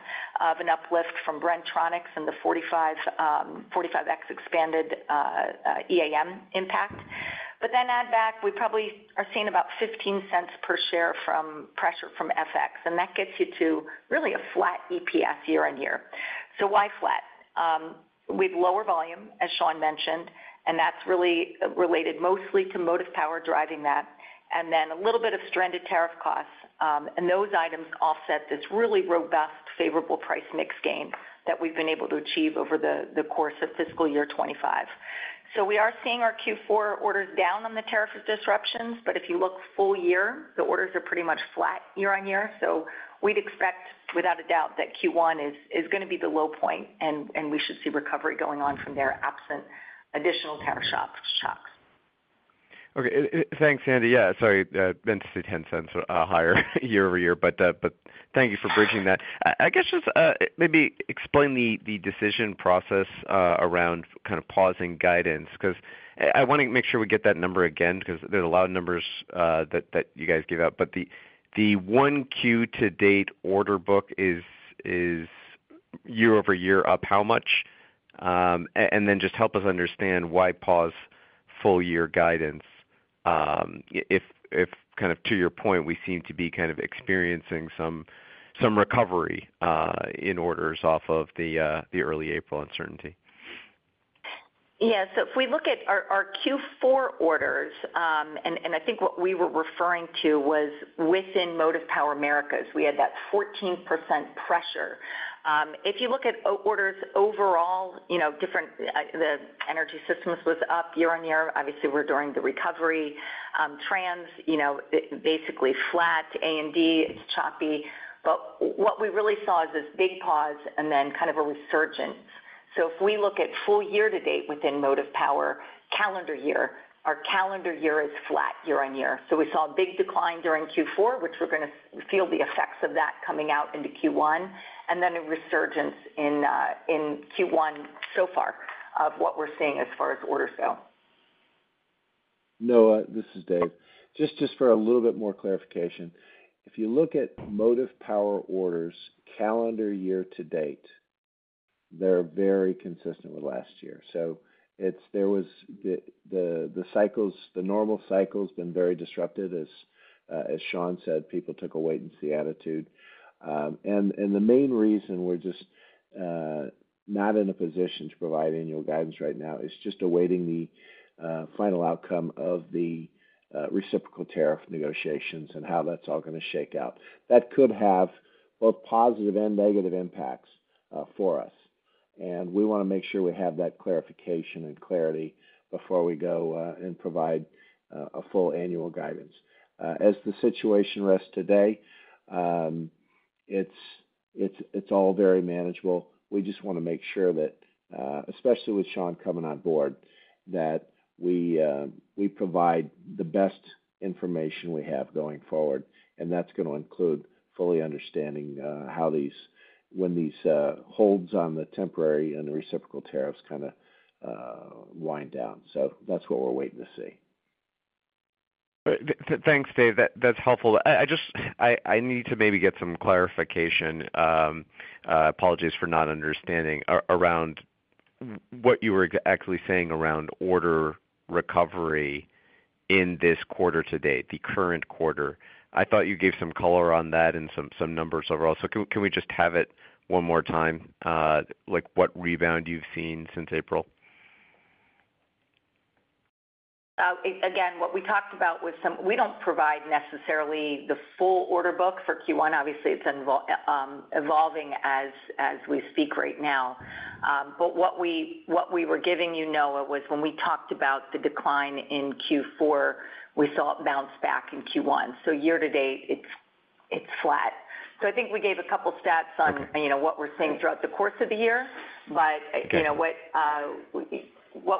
of an uplift from Bren-Tronics and the 45X expanded EAM impact. Add back, we probably are seeing about $0.15 per share from pressure from FX, and that gets you to really a flat EPS year-on-year. Why flat? With lower volume, as Shawn mentioned, and that's really related mostly to motive power driving that, and then a little bit of stranded tariff costs. Those items offset this really robust favorable price mix gain that we've been able to achieve over the course of fiscal year 2025. We are seeing our Q4 orders down on the tariff disruptions, but if you look full year, the orders are pretty much flat year-on-year. We'd expect, without a doubt, that Q1 is going to be the low point, and we should see recovery going on from there absent additional tariff shocks. Okay. Thanks, Andy. Yeah. Sorry. I meant to say 10 cents higher year-over-year, but thank you for bridging that. I guess just maybe explain the decision process around kind of pausing guidance because I want to make sure we get that number again because there's a lot of numbers that you guys give out. The one Q to date order book is year-over-year up how much? Just help us understand why pause full-year guidance if, kind of to your point, we seem to be kind of experiencing some recovery in orders off of the early April uncertainty. Yeah. If we look at our Q4 orders, and I think what we were referring to was within Motive Power Americas, we had that 14% pressure. If you look at orders overall, the energy systems was up year-on-year. Obviously, we are during the recovery. Trans basically flat. A&D is choppy. What we really saw is this big pause and then kind of a resurgence. If we look at full year-to-date within Motive Power calendar year, our calendar year is flat year-on-year. We saw a big decline during Q4, which we're going to feel the effects of that coming out into Q1, and then a resurgence in Q1 so far of what we're seeing as far as orders go. Noah, this is Dave. Just for a little bit more clarification, if you look at Motive Power orders calendar year to date, they're very consistent with last year. The normal cycle has been very disrupted, as Shawn said, people took a wait-and-see attitude. The main reason we're just not in a position to provide annual guidance right now is just awaiting the final outcome of the reciprocal tariff negotiations and how that's all going to shake out. That could have both positive and negative impacts for us. We want to make sure we have that clarification and clarity before we go and provide a full annual guidance. As the situation rests today, it's all very manageable. We just want to make sure that, especially with Shawn coming on board, that we provide the best information we have going forward. That's going to include fully understanding when these holds on the temporary and the reciprocal tariffs kind of wind down. That's what we're waiting to see. Thanks, Dave. That's helpful. I need to maybe get some clarification, apologies for not understanding, around what you were actually saying around order recovery in this quarter to date, the current quarter. I thought you gave some color on that and some numbers overall. Can we just have it one more time? What rebound you've seen since April? Again, what we talked about with some, we don't provide necessarily the full order book for Q1. Obviously, it's evolving as we speak right now. What we were giving you, Noah, was when we talked about the decline in Q4, we saw it bounce back in Q1. So year-to-date, it's flat. I think we gave a couple of stats on what we're seeing throughout the course of the year. What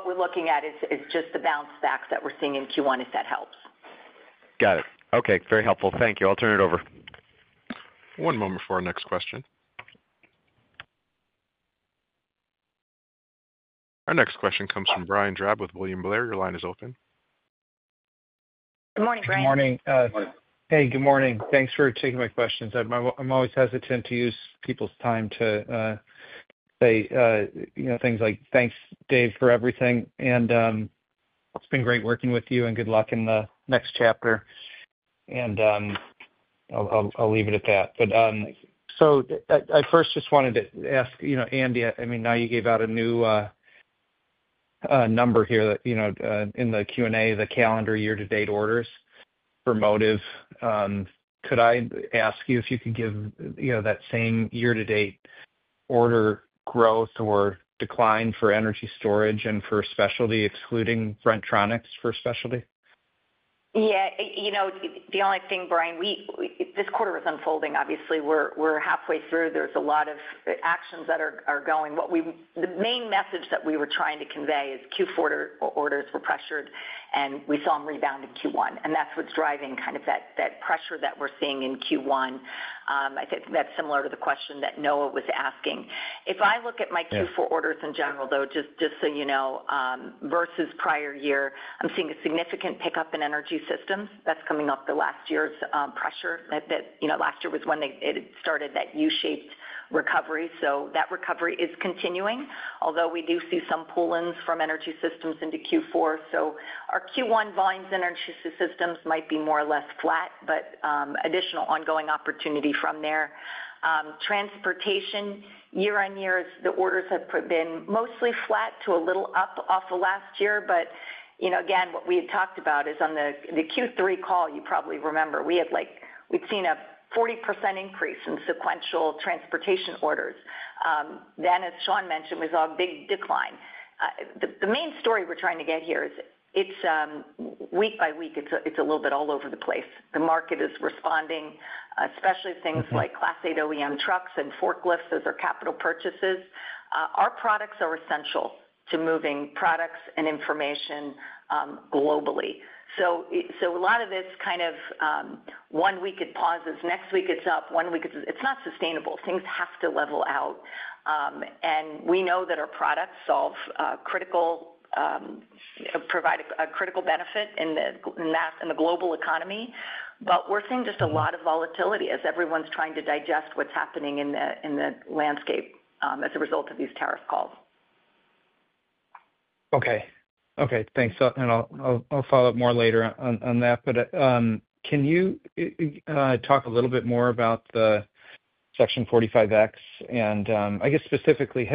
we're looking at is just the bounce back that we're seeing in Q1, if that helps. Got it. Okay. Very helpful. Thank you. I'll turn it over. One moment for our next question. Our next question comes from Brian Drab with William Blair. Your line is open. Good morning, Brian. Good morning. Hey, good morning. Thanks for taking my questions. I'm always hesitant to use people's time to say things like, "Thanks, Dave, for everything." It's been great working with you, and good luck in the next chapter. I'll leave it at that. I first just wanted to ask Andy, I mean, now you gave out a new number here in the Q&A, the calendar year-to-date orders for motive. Could I ask you if you could give that same year-to-date order growth or decline for energy storage and for specialty, excluding Bren-Tronics for specialty? Yeah. The only thing, Brian, this quarter is unfolding. Obviously, we're halfway through. There's a lot of actions that are going. The main message that we were trying to convey is Q4 orders were pressured, and we saw them rebound in Q1. That's what's driving kind of that pressure that we're seeing in Q1. I think that's similar to the question that Noah was asking. If I look at my Q4 orders in general, though, just so you know, versus prior year, I'm seeing a significant pickup in energy systems. That's coming off the last year's pressure. Last year was when it started that U-shaped recovery. That recovery is continuing, although we do see some pull-ins from energy systems into Q4. Our Q1 volumes in energy systems might be more or less flat, but additional ongoing opportunity from there. Transportation, year-on-year, the orders have been mostly flat to a little up off of last year. What we had talked about is on the Q3 call, you probably remember, we had seen a 40% increase in sequential transportation orders. As Shawn mentioned, we saw a big decline. The main story we're trying to get here is week by week, it's a little bit all over the place. The market is responding, especially things like Class eight OEM trucks and forklifts. Those are capital purchases. Our products are essential to moving products and information globally. A lot of this kind of one week it pauses, next week it's up, one week it's not sustainable. Things have to level out. We know that our products provide a critical benefit in the global economy. We're seeing just a lot of volatility as everyone's trying to digest what's happening in the landscape as a result of these tariff calls. Okay. Thanks. I'll follow up more later on that. Can you talk a little bit more about the Section 45X? I guess specifically,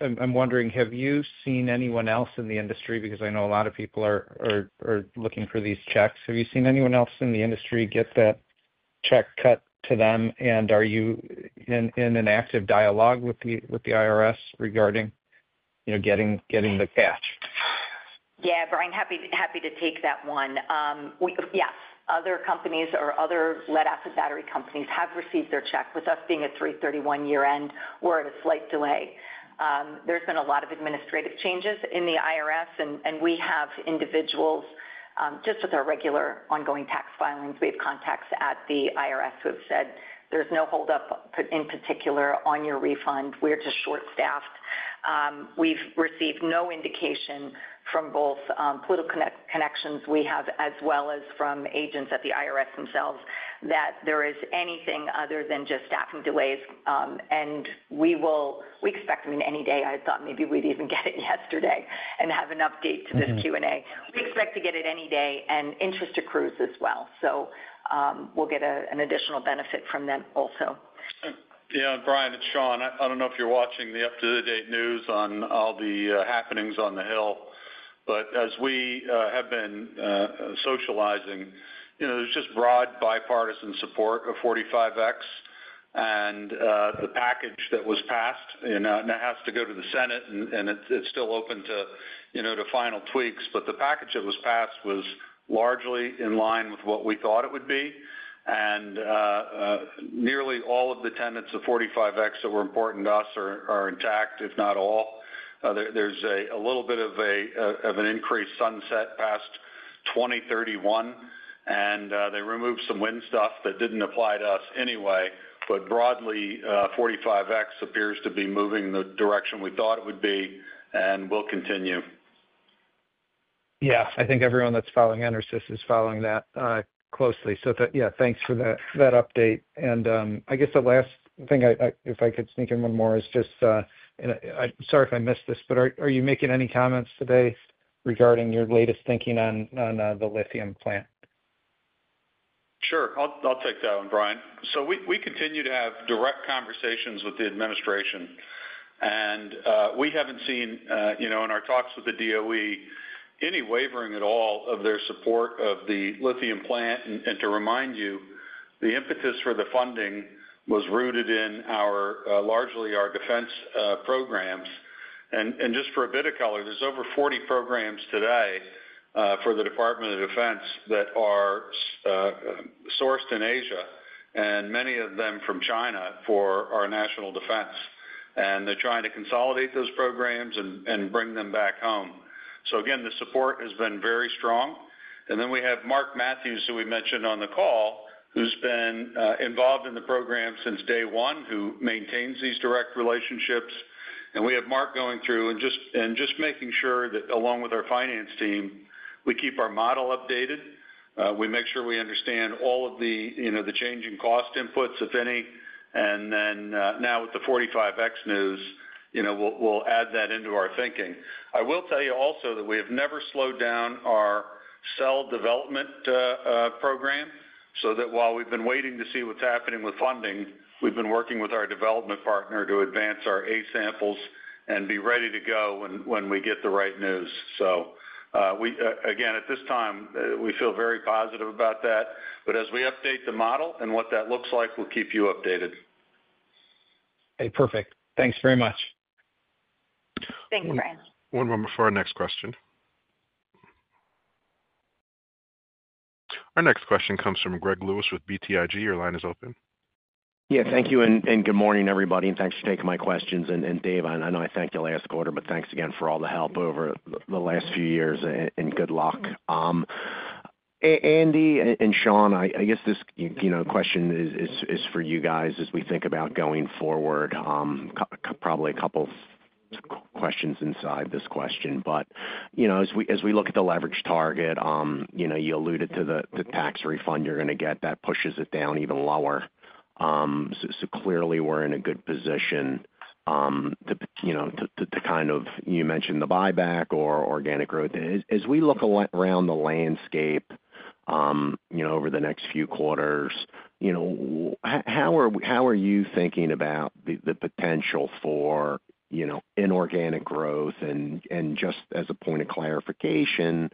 I'm wondering, have you seen anyone else in the industry? Because I know a lot of people are looking for these checks. Have you seen anyone else in the industry get that check cut to them? Are you in an active dialogue with the IRS regarding getting the catch? Yeah, Brian, happy to take that one. Yes. Other companies or other lead-acid battery companies have received their check. With us being a March 31 year-end, we're at a slight delay. There's been a lot of administrative changes in the IRS, and we have individuals just with our regular ongoing tax filings. We have contacts at the IRS who have said, "There's no holdup in particular on your refund. We're just short-staffed." We've received no indication from both political connections we have as well as from agents at the IRS themselves that there is anything other than just staffing delays. We expect them in any day. I thought maybe we'd even get it yesterday and have an update to this Q&A. We expect to get it any day, and interest accrues as well. We'll get an additional benefit from them also. Yeah. Brian, it's Shawn. I do not know if you are watching the up-to-date news on all the happenings on the Hill. As we have been socializing, there is just broad bipartisan support of 45X and the package that was passed. It has to go to the Senate, and it is still open to final tweaks. The package that was passed was largely in line with what we thought it would be. Nearly all of the tenets of 45X that were important to us are intact, if not all. There is a little bit of an increased sunset past 2031, and they removed some wind stuff that did not apply to us anyway. Broadly, 45X appears to be moving in the direction we thought it would be and will continue. Yeah. I think everyone that is following EnerSys is following that closely. Yeah, thanks for that update. I guess the last thing, if I could sneak in one more, is just sorry if I missed this, but are you making any comments today regarding your latest thinking on the lithium plant? Sure. I'll take that one, Brian. We continue to have direct conversations with the administration. We haven't seen in our talks with the DOE any wavering at all of their support of the lithium plant. To remind you, the impetus for the funding was rooted in largely our defense programs. Just for a bit of color, there are over 40 programs today for the Department of Defense that are sourced in Asia, and many of them from China for our national defense. They are trying to consolidate those programs and bring them back home. The support has been very strong. We have Mark Mathews, who we mentioned on the call, who's been involved in the program since day one, who maintains these direct relationships. We have Mark going through and just making sure that along with our finance team, we keep our model updated. We make sure we understand all of the changing cost inputs, if any. Now with the 45X news, we'll add that into our thinking. I will tell you also that we have never slowed down our cell development program so that while we've been waiting to see what's happening with funding, we've been working with our development partner to advance our A samples and be ready to go when we get the right news. At this time, we feel very positive about that. As we update the model and what that looks like, we'll keep you updated. Okay. Perfect. Thanks very much. Thank you, Brian. One moment for our next question. Our next question comes from Greg Lewis with BTIG. Your line is open. Yeah. Thank you. And good morning, everybody. Thanks for taking my questions. Dave, I know I thanked you last quarter, but thanks again for all the help over the last few years. Good luck. Andy and Shawn, I guess this question is for you guys as we think about going forward, probably a couple of questions inside this question. As we look at the leverage target, you alluded to the tax refund you're going to get. That pushes it down even lower. Clearly, we're in a good position to kind of, you mentioned the buyback or organic growth. As we look around the landscape over the next few quarters, how are you thinking about the potential for inorganic growth? Just as a point of clarification,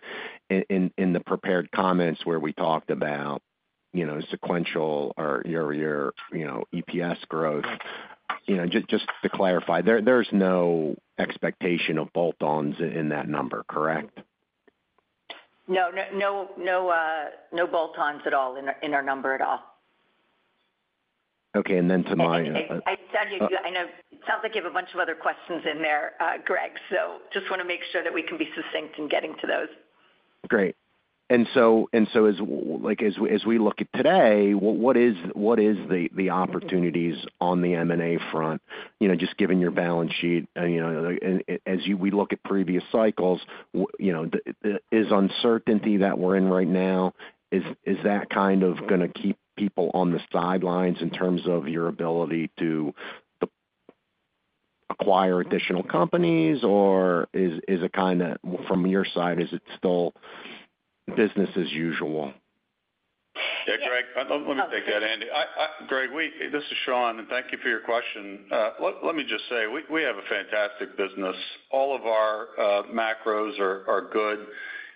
in the prepared comments where we talked about sequential or your EPS growth, just to clarify, there's no expectation of bolt-ons in that number, correct? No. No bolt-ons at all in our number at all. Okay. To my —I tell you, I know it sounds like you have a bunch of other questions in there, Greg. Just want to make sure that we can be succinct in getting to those. Great. As we look at today, what is the opportunities on the M&A front? Just given your balance sheet, as we look at previous cycles, is uncertainty that we're in right now, is that kind of going to keep people on the sidelines in terms of your ability to acquire additional companies? Or is it kind of from your side, is it still business as usual? Yeah, Greg. Let me take that, Andy. Greg, this is Shawn. Thank you for your question. Let me just say, we have a fantastic business. All of our macros are good.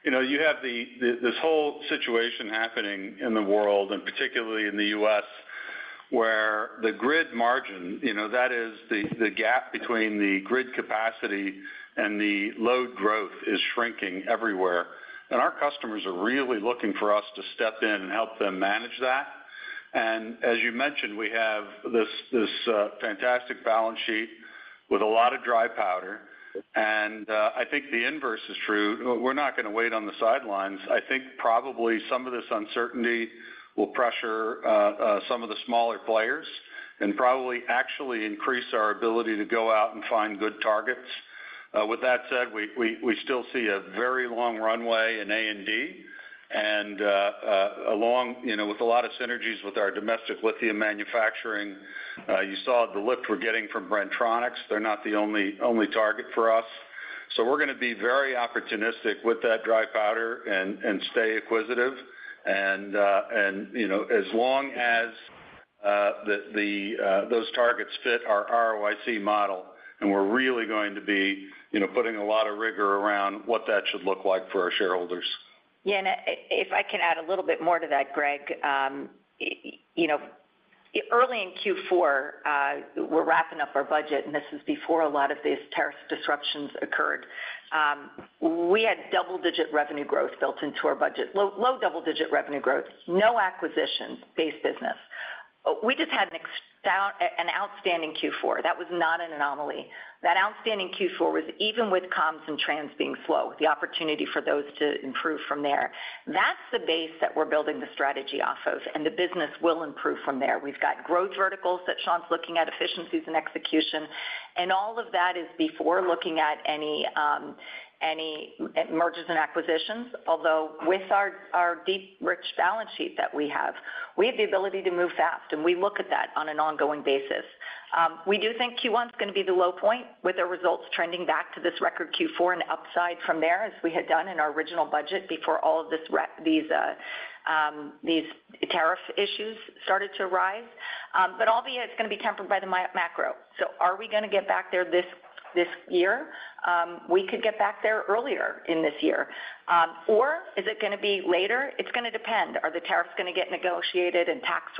You have this whole situation happening in the world, particularly in the U.S., where the grid margin, that is the gap between the grid capacity and the load growth, is shrinking everywhere. Our customers are really looking for us to step in and help them manage that. As you mentioned, we have this fantastic balance sheet with a lot of dry powder. I think the inverse is true. We're not going to wait on the sidelines. I think probably some of this uncertainty will pressure some of the smaller players and probably actually increase our ability to go out and find good targets. With that said, we still see a very long runway in A&D and along with a lot of synergies with our domestic lithium manufacturing. You saw the lift we're getting from Bren-Tronics. They're not the only target for us. We're going to be very opportunistic with that dry powder and stay acquisitive. As long as those targets fit our ROIC model, we're really going to be putting a lot of rigor around what that should look like for our shareholders. Yeah. If I can add a little bit more to that, Greg, early in Q4, we're wrapping up our budget, and this is before a lot of these tariff disruptions occurred. We had double-digit revenue growth built into our budget, low double-digit revenue growth, no acquisitions-based business. We just had an outstanding Q4. That was not an anomaly. That outstanding Q4 was even with comms and trans being slow, the opportunity for those to improve from there. That's the base that we're building the strategy off of, and the business will improve from there. We've got growth verticals that Shawn's looking at, efficiencies and execution. And all of that is before looking at any mergers and acquisitions. Although with our deep rich balance sheet that we have, we have the ability to move fast, and we look at that on an ongoing basis. We do think Q1 is going to be the low point with our results trending back to this record Q4 and upside from there, as we had done in our original budget before all of these tariff issues started to arise. Albeit, it's going to be tempered by the macro. So are we going to get back there this year? We could get back there earlier in this year. Or is it going to be later? It's going to depend. Are the tariffs going to get negotiated and tax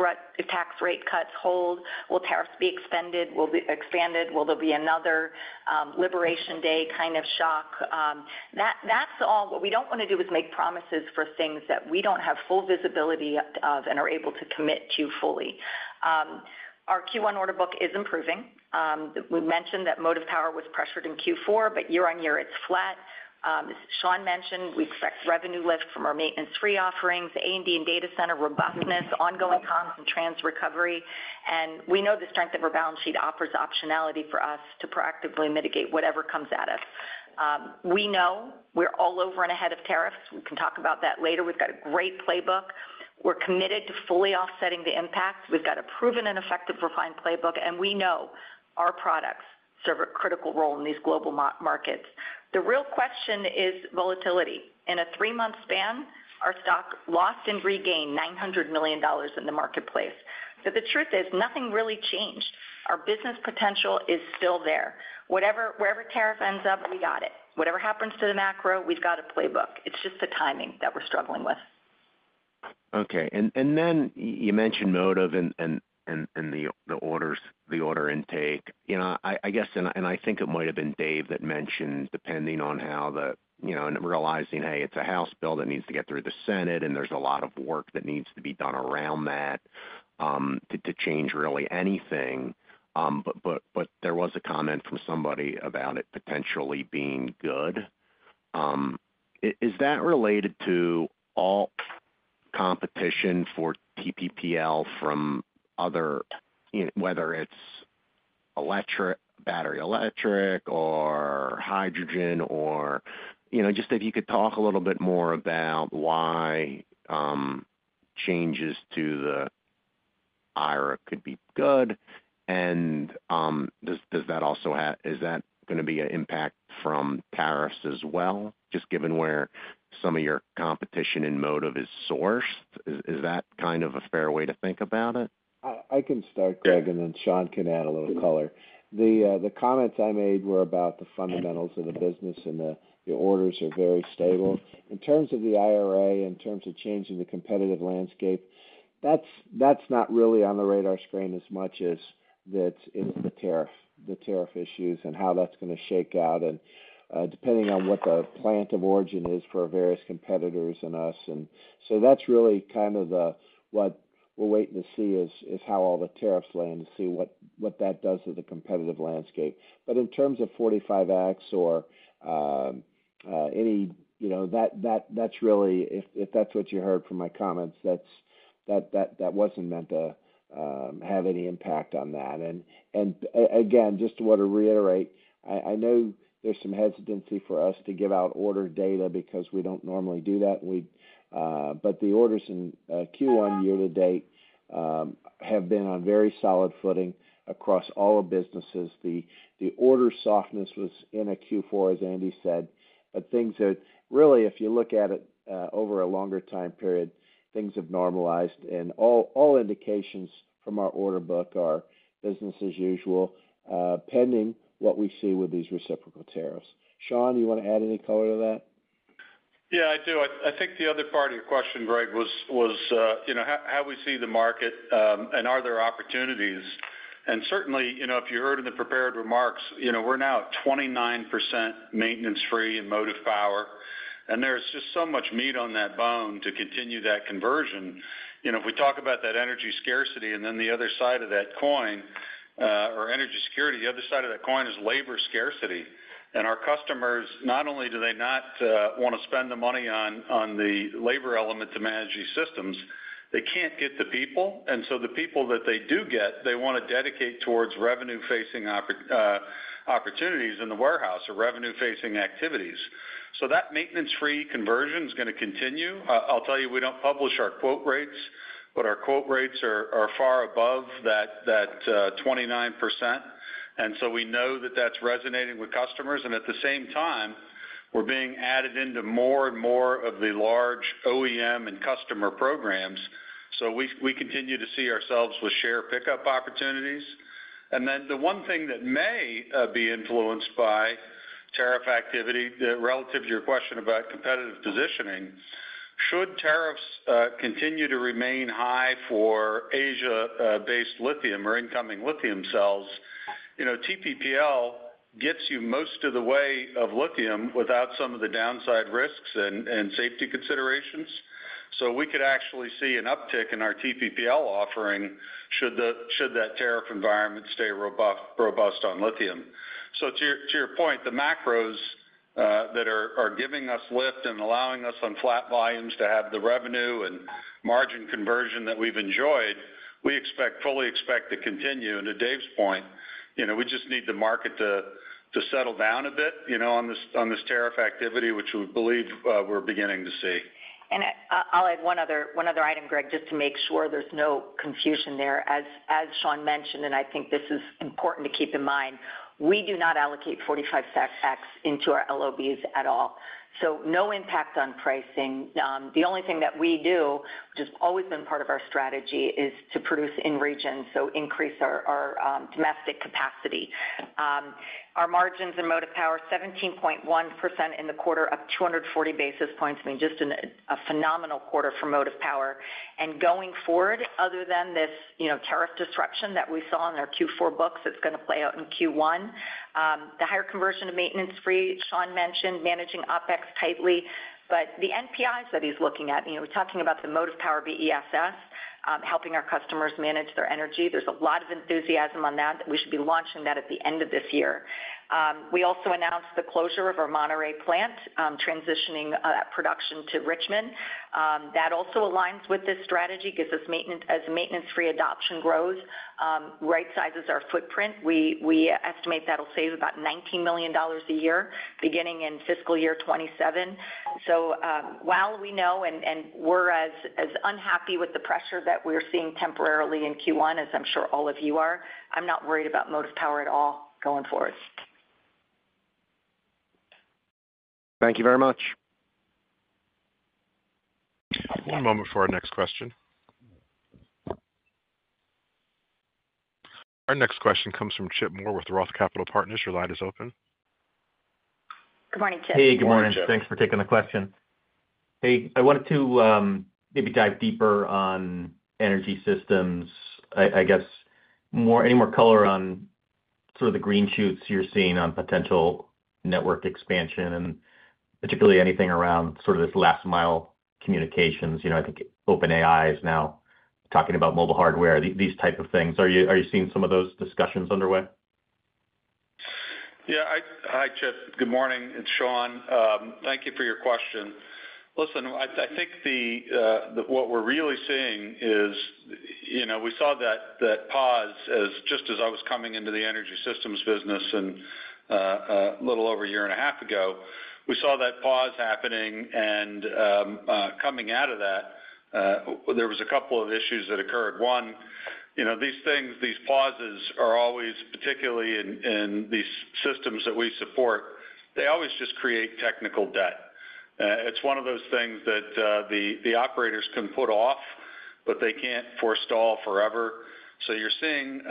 rate cuts hold? Will tariffs be expanded? Will there be another liberation day kind of shock? That's all. What we don't want to do is make promises for things that we don't have full visibility of and are able to commit to fully. Our Q1 order book is improving. We mentioned that motive power was pressured in Q4, but year-on-year, it's flat. As Shawn mentioned, we expect revenue lift from our maintenance-free offerings, A&D and data center robustness, ongoing comms and trans recovery. And we know the strength of our balance sheet offers optionality for us to proactively mitigate whatever comes at us. We know we're all over and ahead of tariffs. We can talk about that later. We've got a great playbook. We're committed to fully offsetting the impacts. We've got a proven and effective refined playbook. We know our products serve a critical role in these global markets. The real question is volatility. In a three-month span, our stock lost and regained $900 million in the marketplace. The truth is, nothing really changed. Our business potential is still there. Wherever tariff ends up, we got it. Whatever happens to the macro, we've got a playbook. It's just the timing that we're struggling with. Okay. You mentioned motive and the order intake. I guess, and I think it might have been Dave that mentioned depending on how the realizing, "Hey, it's a House bill that needs to get through the Senate, and there's a lot of work that needs to be done around that to change really anything." There was a comment from somebody about it potentially being good. Is that related to all competition for TPPL from other, whether it's battery electric or hydrogen? If you could talk a little bit more about why changes to the IRA could be good. Does that also have, is that going to be an impact from tariffs as well, just given where some of your competition and motive is sourced? Is that kind of a fair way to think about it? I can start, Greg, and then Shawn can add a little color. The comments I made were about the fundamentals of the business, and the orders are very stable. In terms of the IRA, in terms of changing the competitive landscape, that's not really on the radar screen as much as it's the tariff issues and how that's going to shake out, depending on what the plant of origin is for various competitors and us. That's really kind of what we're waiting to see is how all the tariffs land to see what that does to the competitive landscape. In terms of 45X or any, that's really, if that's what you heard from my comments, that wasn't meant to have any impact on that. Again, just to reiterate, I know there's some hesitancy for us to give out order data because we don't normally do that. The orders in Q1 year to date have been on very solid footing across all businesses. The order softness was in Q4, as Andy said. If you look at it over a longer time period, things have normalized. All indications from our order book are business as usual, pending what we see with these reciprocal tariffs. Shawn, you want to add any color to that? Yeah, I do. I think the other part of your question, Greg, was how we see the market and are there opportunities. Certainly, if you heard in the prepared remarks, we're now at 29% maintenance-free and motive power. There is just so much meat on that bone to continue that conversion. If we talk about that energy scarcity and then the other side of that coin, or energy security, the other side of that coin is labor scarcity. Our customers, not only do they not want to spend the money on the labor element to manage these systems, they can't get the people. The people that they do get, they want to dedicate towards revenue-facing opportunities in the warehouse or revenue-facing activities. That maintenance-free conversion is going to continue. I'll tell you, we don't publish our quote rates, but our quote rates are far above that 29%. We know that that's resonating with customers. At the same time, we're being added into more and more of the large OEM and customer programs. We continue to see ourselves with share pickup opportunities. The one thing that may be influenced by tariff activity relative to your question about competitive positioning, should tariffs continue to remain high for Asia-based lithium or incoming lithium cells, TPPL gets you most of the way of lithium without some of the downside risks and safety considerations. We could actually see an uptick in our TPPL offering should that tariff environment stay robust on lithium. To your point, the macros that are giving us lift and allowing us on flat volumes to have the revenue and margin conversion that we've enjoyed, we fully expect to continue. To Dave's point, we just need the market to settle down a bit on this tariff activity, which we believe we're beginning to see. I'll add one other item, Greg, just to make sure there's no confusion there. As Shawn mentioned, and I think this is important to keep in mind, we do not allocate 45X into our LOBs at all. So no impact on pricing. The only thing that we do, which has always been part of our strategy, is to produce in region, so increase our domestic capacity. Our margins in motive power, 17.1% in the quarter, up 240 basis points. I mean, just a phenomenal quarter for motive power. Going forward, other than this tariff disruption that we saw in our Q4 books, it's going to play out in Q1. The higher conversion to maintenance-free, Shawn mentioned, managing OpEx tightly. The NPIs that he's looking at, we're talking about the motive power BESS, helping our customers manage their energy. There's a lot of enthusiasm on that. We should be launching that at the end of this year. We also announced the closure of our Monterrey plant, transitioning production to Richmond. That also aligns with this strategy, gives us maintenance as maintenance-free adoption grows, right-sizes our footprint. We estimate that'll save about $19 million a year, beginning in fiscal year 2027. While we know, and we're as unhappy with the pressure that we're seeing temporarily in Q1, as I'm sure all of you are, I'm not worried about motive power at all going forward. Thank you very much. One moment for our next question. Our next question comes from Chip Moore with ROTH Capital Partners. Your line is open. Good morning, Chip. Hey, good morning. Thanks for taking the question. Hey, I wanted to maybe dive deeper on energy systems, I guess, any more color on sort of the green shoots you're seeing on potential network expansion, and particularly anything around sort of this last-mile communications. I think OpenAI is now talking about mobile hardware, these types of things. Are you seeing some of those discussions underway? Yeah. Hi, Chip. Good morning. It's Shawn. Thank you for your question. Listen, I think what we're really seeing is we saw that pause just as I was coming into the energy systems business a little over a year and a half ago. We saw that pause happening. Coming out of that, there was a couple of issues that occurred. One, these things, these pauses are always, particularly in these systems that we support, they always just create technical debt. It's one of those things that the operators can put off, but they can't forestall forever. You're seeing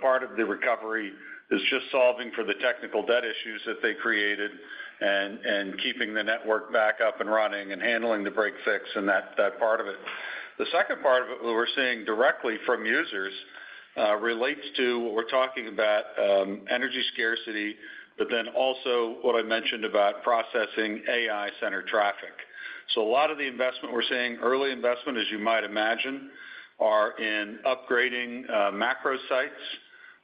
part of the recovery is just solving for the technical debt issues that they created and keeping the network back up and running and handling the break fix and that part of it. The second part of it we're seeing directly from users relates to what we're talking about, energy scarcity, but then also what I mentioned about processing AI-centered traffic. A lot of the investment we're seeing, early investment, as you might imagine, are in upgrading macro sites.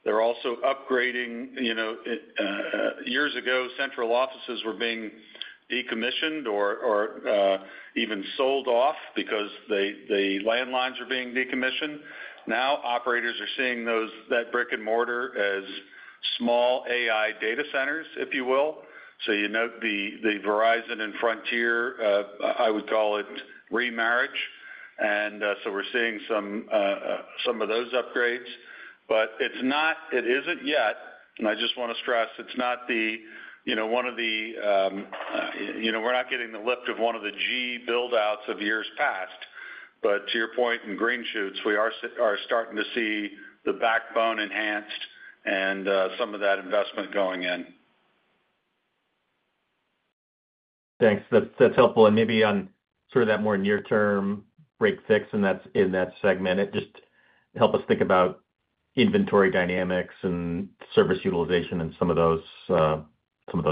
They're also upgrading. Years ago, central offices were being decommissioned or even sold off because the landlines were being decommissioned. Now, operators are seeing that brick and mortar as small AI data centers, if you will. You note the Verizon and Frontier, I would call it remarriage. We're seeing some of those upgrades. It isn't yet, and I just want to stress, it's not one of the, we're not getting the lift of one of the G buildouts of years past. To your point, in green shoots, we are starting to see the backbone enhanced and some of that investment going in. Thanks. That's helpful. Maybe on sort of that more near-term break fix in that segment, it just helps us think about inventory dynamics and service utilization and some of those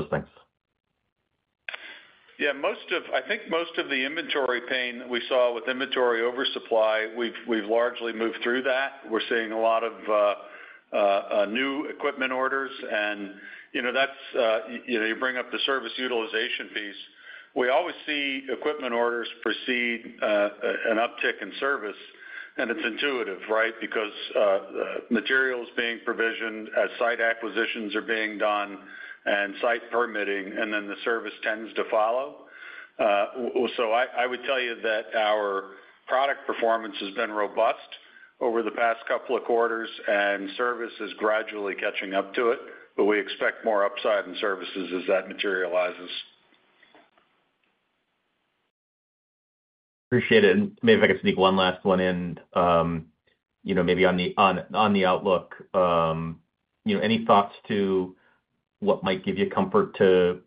things. Yeah. I think most of the inventory pain we saw with inventory oversupply, we've largely moved through that. We're seeing a lot of new equipment orders. You bring up the service utilization piece. We always see equipment orders precede an uptick in service. It's intuitive, right Because materials being provisioned as site acquisitions are being done and site permitting, and then the service tends to follow. I would tell you that our product performance has been robust over the past couple of quarters, and service is gradually catching up to it. We expect more upside in services as that materializes. Appreciate it. Maybe if I could sneak one last one in, maybe on the outlook, any thoughts to what might give you comfort to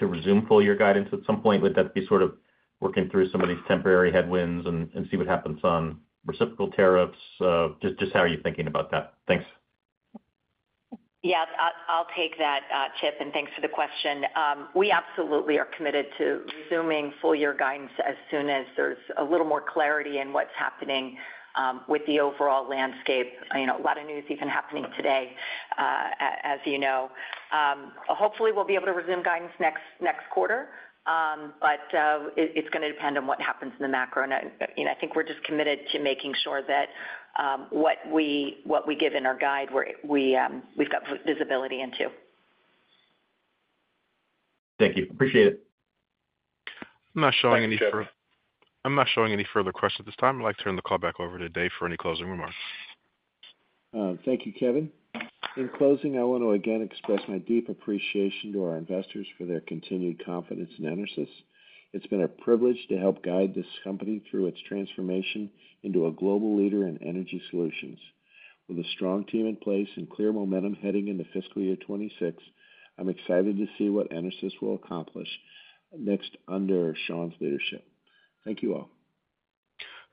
resume full year guidance at some point? Would that be sort of working through some of these temporary headwinds and see what happens on reciprocal tariffs? Just how are you thinking about that? Thanks. Yeah. I'll take that, Chip. Thanks for the question. We absolutely are committed to resuming full year guidance as soon as there's a little more clarity in what's happening with the overall landscape. A lot of news even happening today, as you know. Hopefully, we'll be able to resume guidance next quarter. It is going to depend on what happens in the macro. I think we're just committed to making sure that what we give in our guide, we've got visibility into. Thank you. Appreciate it. I'm not showing any further questions at this time. I'd like to turn the call back over to Dave for any closing remarks. Thank you, Kevin. In closing, I want to again express my deep appreciation to our investors for their continued confidence in EnerSys. It's been a privilege to help guide this company through its transformation into a global leader in energy solutions. With a strong team in place and clear momentum heading into fiscal year 2026, I'm excited to see what EnerSys will accomplish next under Shawn's leadership. Thank you all.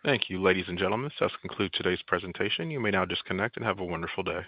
Thank you, ladies and gentlemen. That concludes today's presentation. You may now disconnect and have a wonderful day.